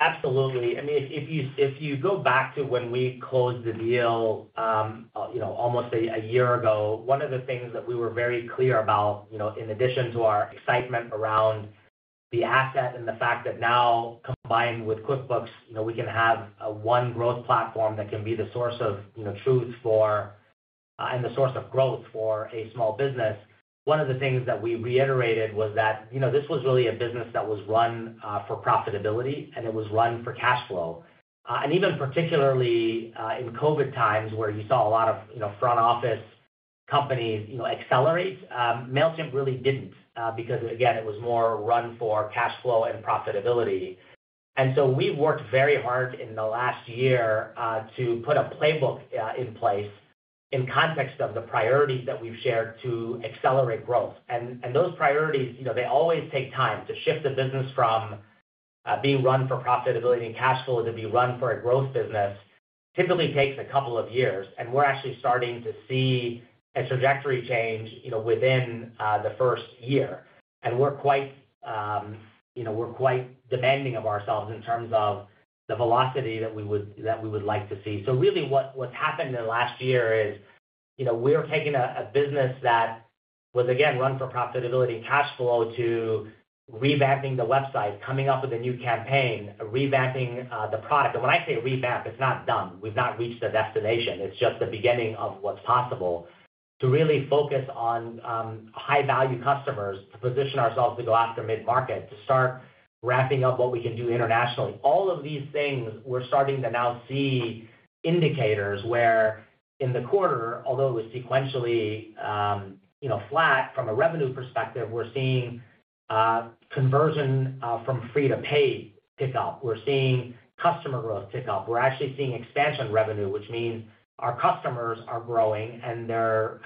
Absolutely. I mean, if you, if you go back to when we closed the deal, you know, almost a year ago, one of the things that we were very clear about, you know, in addition to our excitement around the asset and the fact that now combined with QuickBooks, you know, we can have a one growth platform that can be the source of, you know, truth for and the source of growth for a small business. One of the things that we reiterated was that, you know, this was really a business that was run for profitability and it was run for cash flow. Even particularly in COVID times where you saw a lot of, you know, front office companies, you know, accelerate, Mailchimp really didn't, because again, it was more run for cash flow and profitability. We worked very hard in the last year, to put a playbook in place in context of the priorities that we've shared to accelerate growth. Those priorities, you know, they always take time to shift the business from being run for profitability and cash flow to be run for a growth business. Typically takes a couple of years, and we're actually starting to see a trajectory change, you know, within the first year. We're quite, you know, we're quite demanding of ourselves in terms of the velocity that we would like to see. Really what's happened in the last year is, you know, we're taking a business that was again run for profitability and cash flow to revamping the website, coming up with a new campaign, revamping, the product. When I say revamp, it's not done. We've not reached the destination. It's just the beginning of what's possible to really focus on, high-value customers, to position ourselves to go after mid-market, to start wrapping up what we can do internationally. All of these things we're starting to now see indicators where in the quarter. Although it was sequentially, you know, flat from a revenue perspective, we're seeing conversion from free to paid tick up. We're seeing customer growth tick up. We're actually seeing expansion revenue, which means our customers are growing and they're,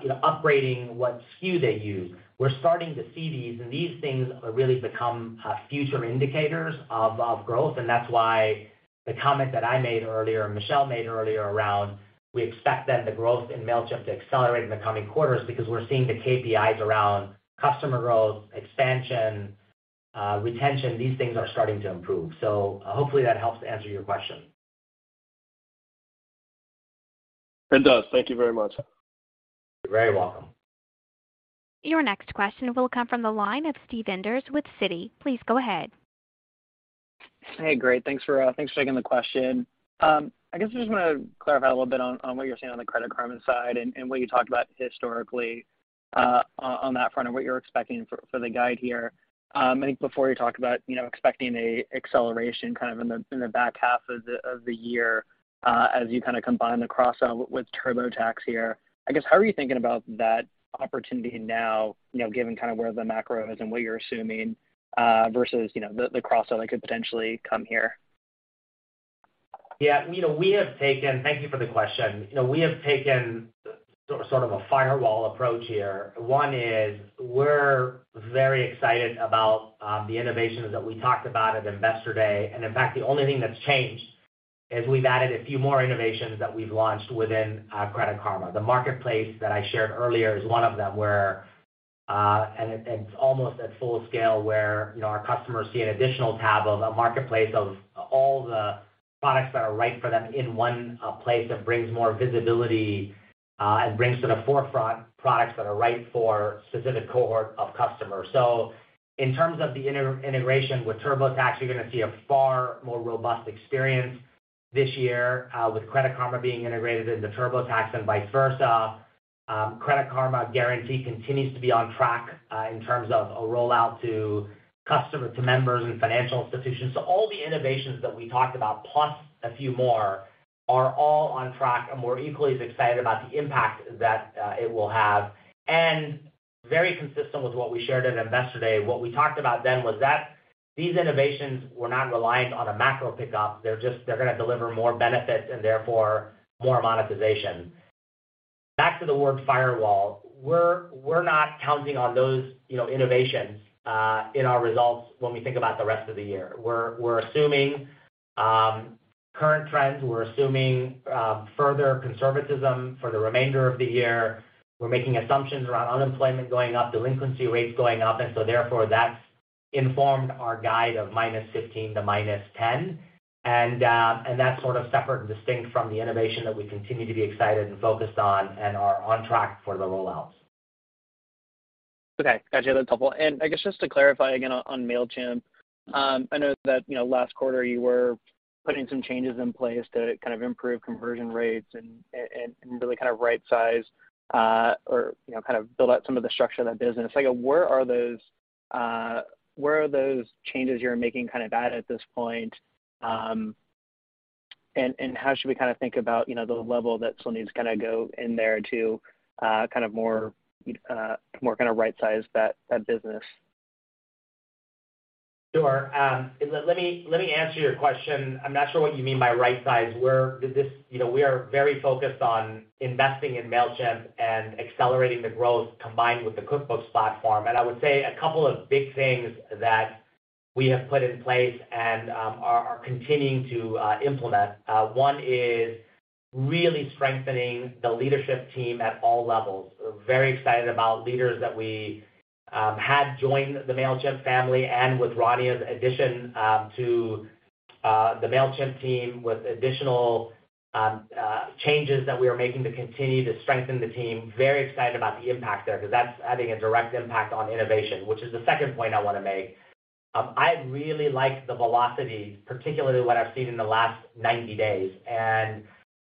you know, upgrading what SKU they use. We're starting to see these, and these things really become future indicators of growth. That's why the comment that I made earlier and Michelle made earlier around, we expect the growth in Mailchimp to accelerate in the coming quarters because we're seeing the KPIs around customer growth, expansion, retention. These things are starting to improve. Hopefully that helps to answer your question. It does. Thank you very much. You're very welcome. Your next question will come from the line of Steven Enders with Citi. Please go ahead. Hey, great. Thanks for, thanks for taking the question. I guess I just wanna clarify a little bit on what you're seeing on the Credit Karma side and what you talked about historically, on that front and what you're expecting for the guide here. I think before you talked about, you know, expecting a acceleration kind of in the back half of the year, as you kind of combine the cross-sell with TurboTax here. I guess, how are you thinking about that opportunity now, you know, given kind of where the macro is and what you're assuming, versus, you know, the cross-sell that could potentially come here? Yeah. You know, Thank you for the question. You know, we have taken sort of a firewall approach here. One is, we're very excited about the innovations that we talked about at Investor Day. And in fact, the only thing that's changed is we've added a few more innovations that we've launched within Credit Karma. The marketplace that I shared earlier is one of them where, and it's almost at full scale where, you know, our customers see an additional tab of a marketplace of all the products that are right for them in one place that brings more visibility and brings to the forefront products that are right for a specific cohort of customers. In terms of the inter-integration with TurboTax, you're gonna see a far more robust experience this year, with Credit Karma being integrated into TurboTax and vice versa. Credit Karma Guarantee continues to be on track in terms of a rollout to members and financial institutions. All the innovations that we talked about, plus a few more, are all on track, and we're equally as excited about the impact that it will have. Very consistent with what we shared at Investor Day, what we talked about then was that these innovations were not reliant on a macro pickup. They're gonna deliver more benefits and therefore more monetization. Back to the word firewall, we're not counting on those, you know, innovations in our results when we think about the rest of the year. We're assuming current trends. We're assuming further conservatism for the remainder of the year. We're making assumptions around unemployment going up, delinquency rates going up. Therefore, that's informed our guide of -15 to -10. That's sort of separate and distinct from the innovation that we continue to be excited and focused on and are on track for the rollouts. Okay. Gotcha. That's helpful. I guess just to clarify again on Mailchimp, I know that, you know, last quarter you were putting some changes in place to kind of improve conversion rates and really kind of right size, or, you know, kind of build out some of the structure of that business. Like, where are those changes you're making kind of at this point, and how should we kinda think about, you know, the level that still needs to kinda go in there to, kind of more kinda right-size that business? Sure. Let me answer your question. I'm not sure what you mean by right-size. You know, we are very focused on investing in Mailchimp and accelerating the growth combined with the QuickBooks platform. I would say a couple of big things that we have put in place and are continuing to implement. One is really strengthening the leadership team at all levels. We're very excited about leaders that we had join the Mailchimp family and with Rania's addition to the Mailchimp team with additional changes that we are making to continue to strengthen the team. Very excited about the impact there because that's having a direct impact on innovation, which is the second point I wanna make. I really like the velocity, particularly what I've seen in the last 90 days.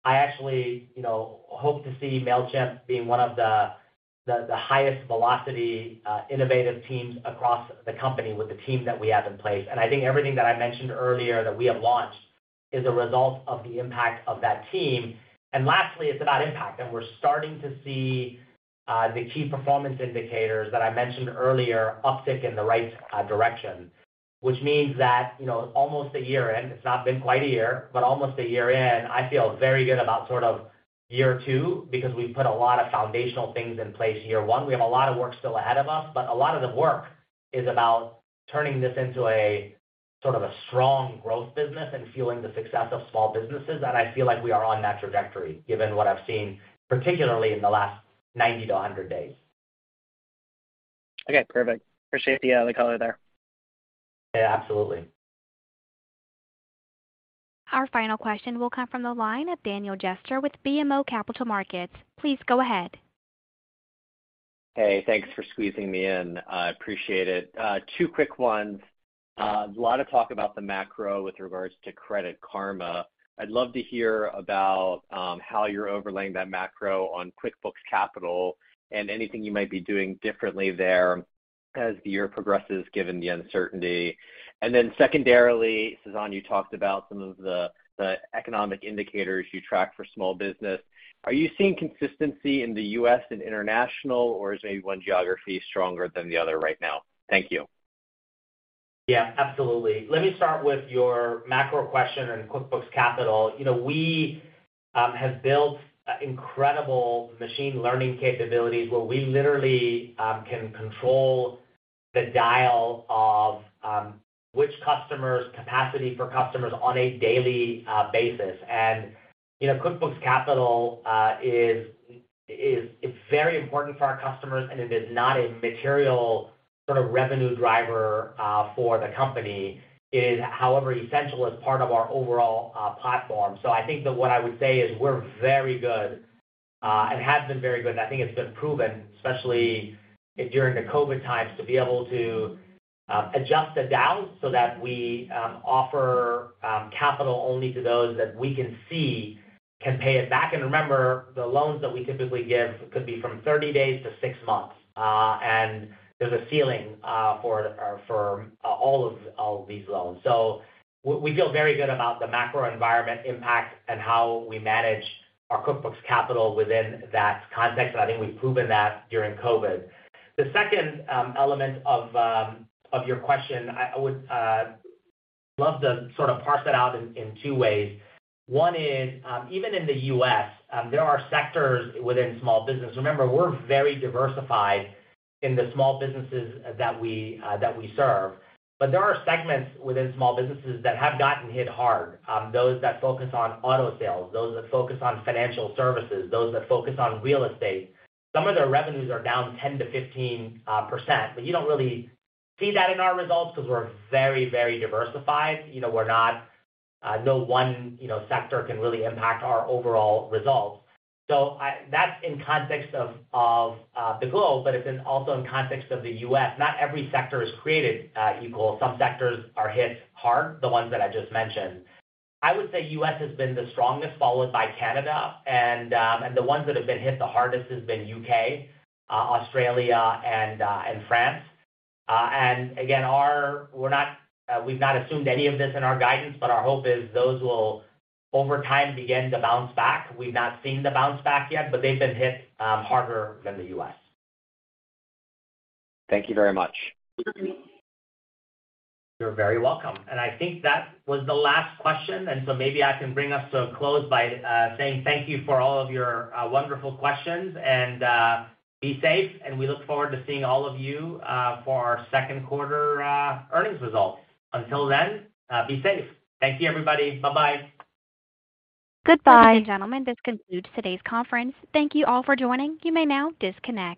I actually, you know, hope to see Mailchimp being one of the highest velocity, innovative teams across the company with the team that we have in place. I think everything that I mentioned earlier that we have launched is a result of the impact of that team. Lastly, it's about impact. We're starting to see the key performance indicators that I mentioned earlier uptick in the right direction, which means that, you know, almost a year in, it's not been quite a year, but almost a year in, I feel very good about sort of year two, because we've put a lot of foundational things in place year one. We have a lot of work still ahead of us. A lot of the work is about turning this into a sort of a strong growth business and fueling the success of small businesses. I feel like we are on that trajectory given what I've seen, particularly in the last 90 to 100 days. Okay, perfect. Appreciate the color there. Yeah, absolutely. Our final question will come from the line of Daniel Jester with BMO Capital Markets. Please go ahead. Hey, thanks for squeezing me in. I appreciate it. Two quick ones. A lot of talk about the macro with regards to Credit Karma. I'd love to hear about how you're overlaying that macro on QuickBooks Capital and anything you might be doing differently there as the year progresses, given the uncertainty. Secondarily, Sasan, you talked about some of the economic indicators you track for small business. Are you seeing consistency in the U.S. and international, or is maybe one geography stronger than the other right now? Thank you. Yeah, absolutely. Let me start with your macro question on QuickBooks Capital. You know, we have built incredible machine learning capabilities where we literally can control the dial of which customers, capacity for customers on a daily basis. You know, QuickBooks Capital is very important for our customers, and it is not a material sort of revenue driver for the company. It is, however, essential as part of our overall platform. I think that what I would say is we're very good and have been very good, and I think it's been proven, especially during the COVID times, to be able to adjust the dial so that we offer capital only to those that we can see can pay it back. Remember, the loans that we typically give could be from 30 days to six months. There's a ceiling for all of these loans. We feel very good about the macro environment impact and how we manage our QuickBooks Capital within that context. I think we've proven that during COVID. The second element of your question, I would love to sort of parse it out in two ways. One is, even in the U.S., there are sectors within small business. Remember, we're very diversified in the small businesses that we serve. There are segments within small businesses that have gotten hit hard. Those that focus on auto sales, those that focus on financial services, those that focus on real estate. Some of their revenues are down 10% to 15%. You don't really see that in our results because we're very, very diversified. You know, we're not, no one, you know, sector can really impact our overall results. That's in context of the globe, but it's also in context of the U.S. Not every sector is created equal. Some sectors are hit hard, the ones that I just mentioned. I would say U.S. has been the strongest, followed by Canada, and the ones that have been hit the hardest has been U.K., Australia, and France. And again, we're not, we've not assumed any of this in our guidance, but our hope is those will over time begin to bounce back. We've not seen the bounce back yet, but they've been hit, harder than the U.S. Thank you very much. You're very welcome. I think that was the last question. Maybe I can bring us to a close by saying thank you for all of your wonderful questions, and be safe. We look forward to seeing all of you for our second quarter earnings results. Until then, be safe. Thank you, everybody. Bye-bye. Goodbye. Ladies and gentlemen, this concludes today's conference. Thank you all for joining. You may now disconnect.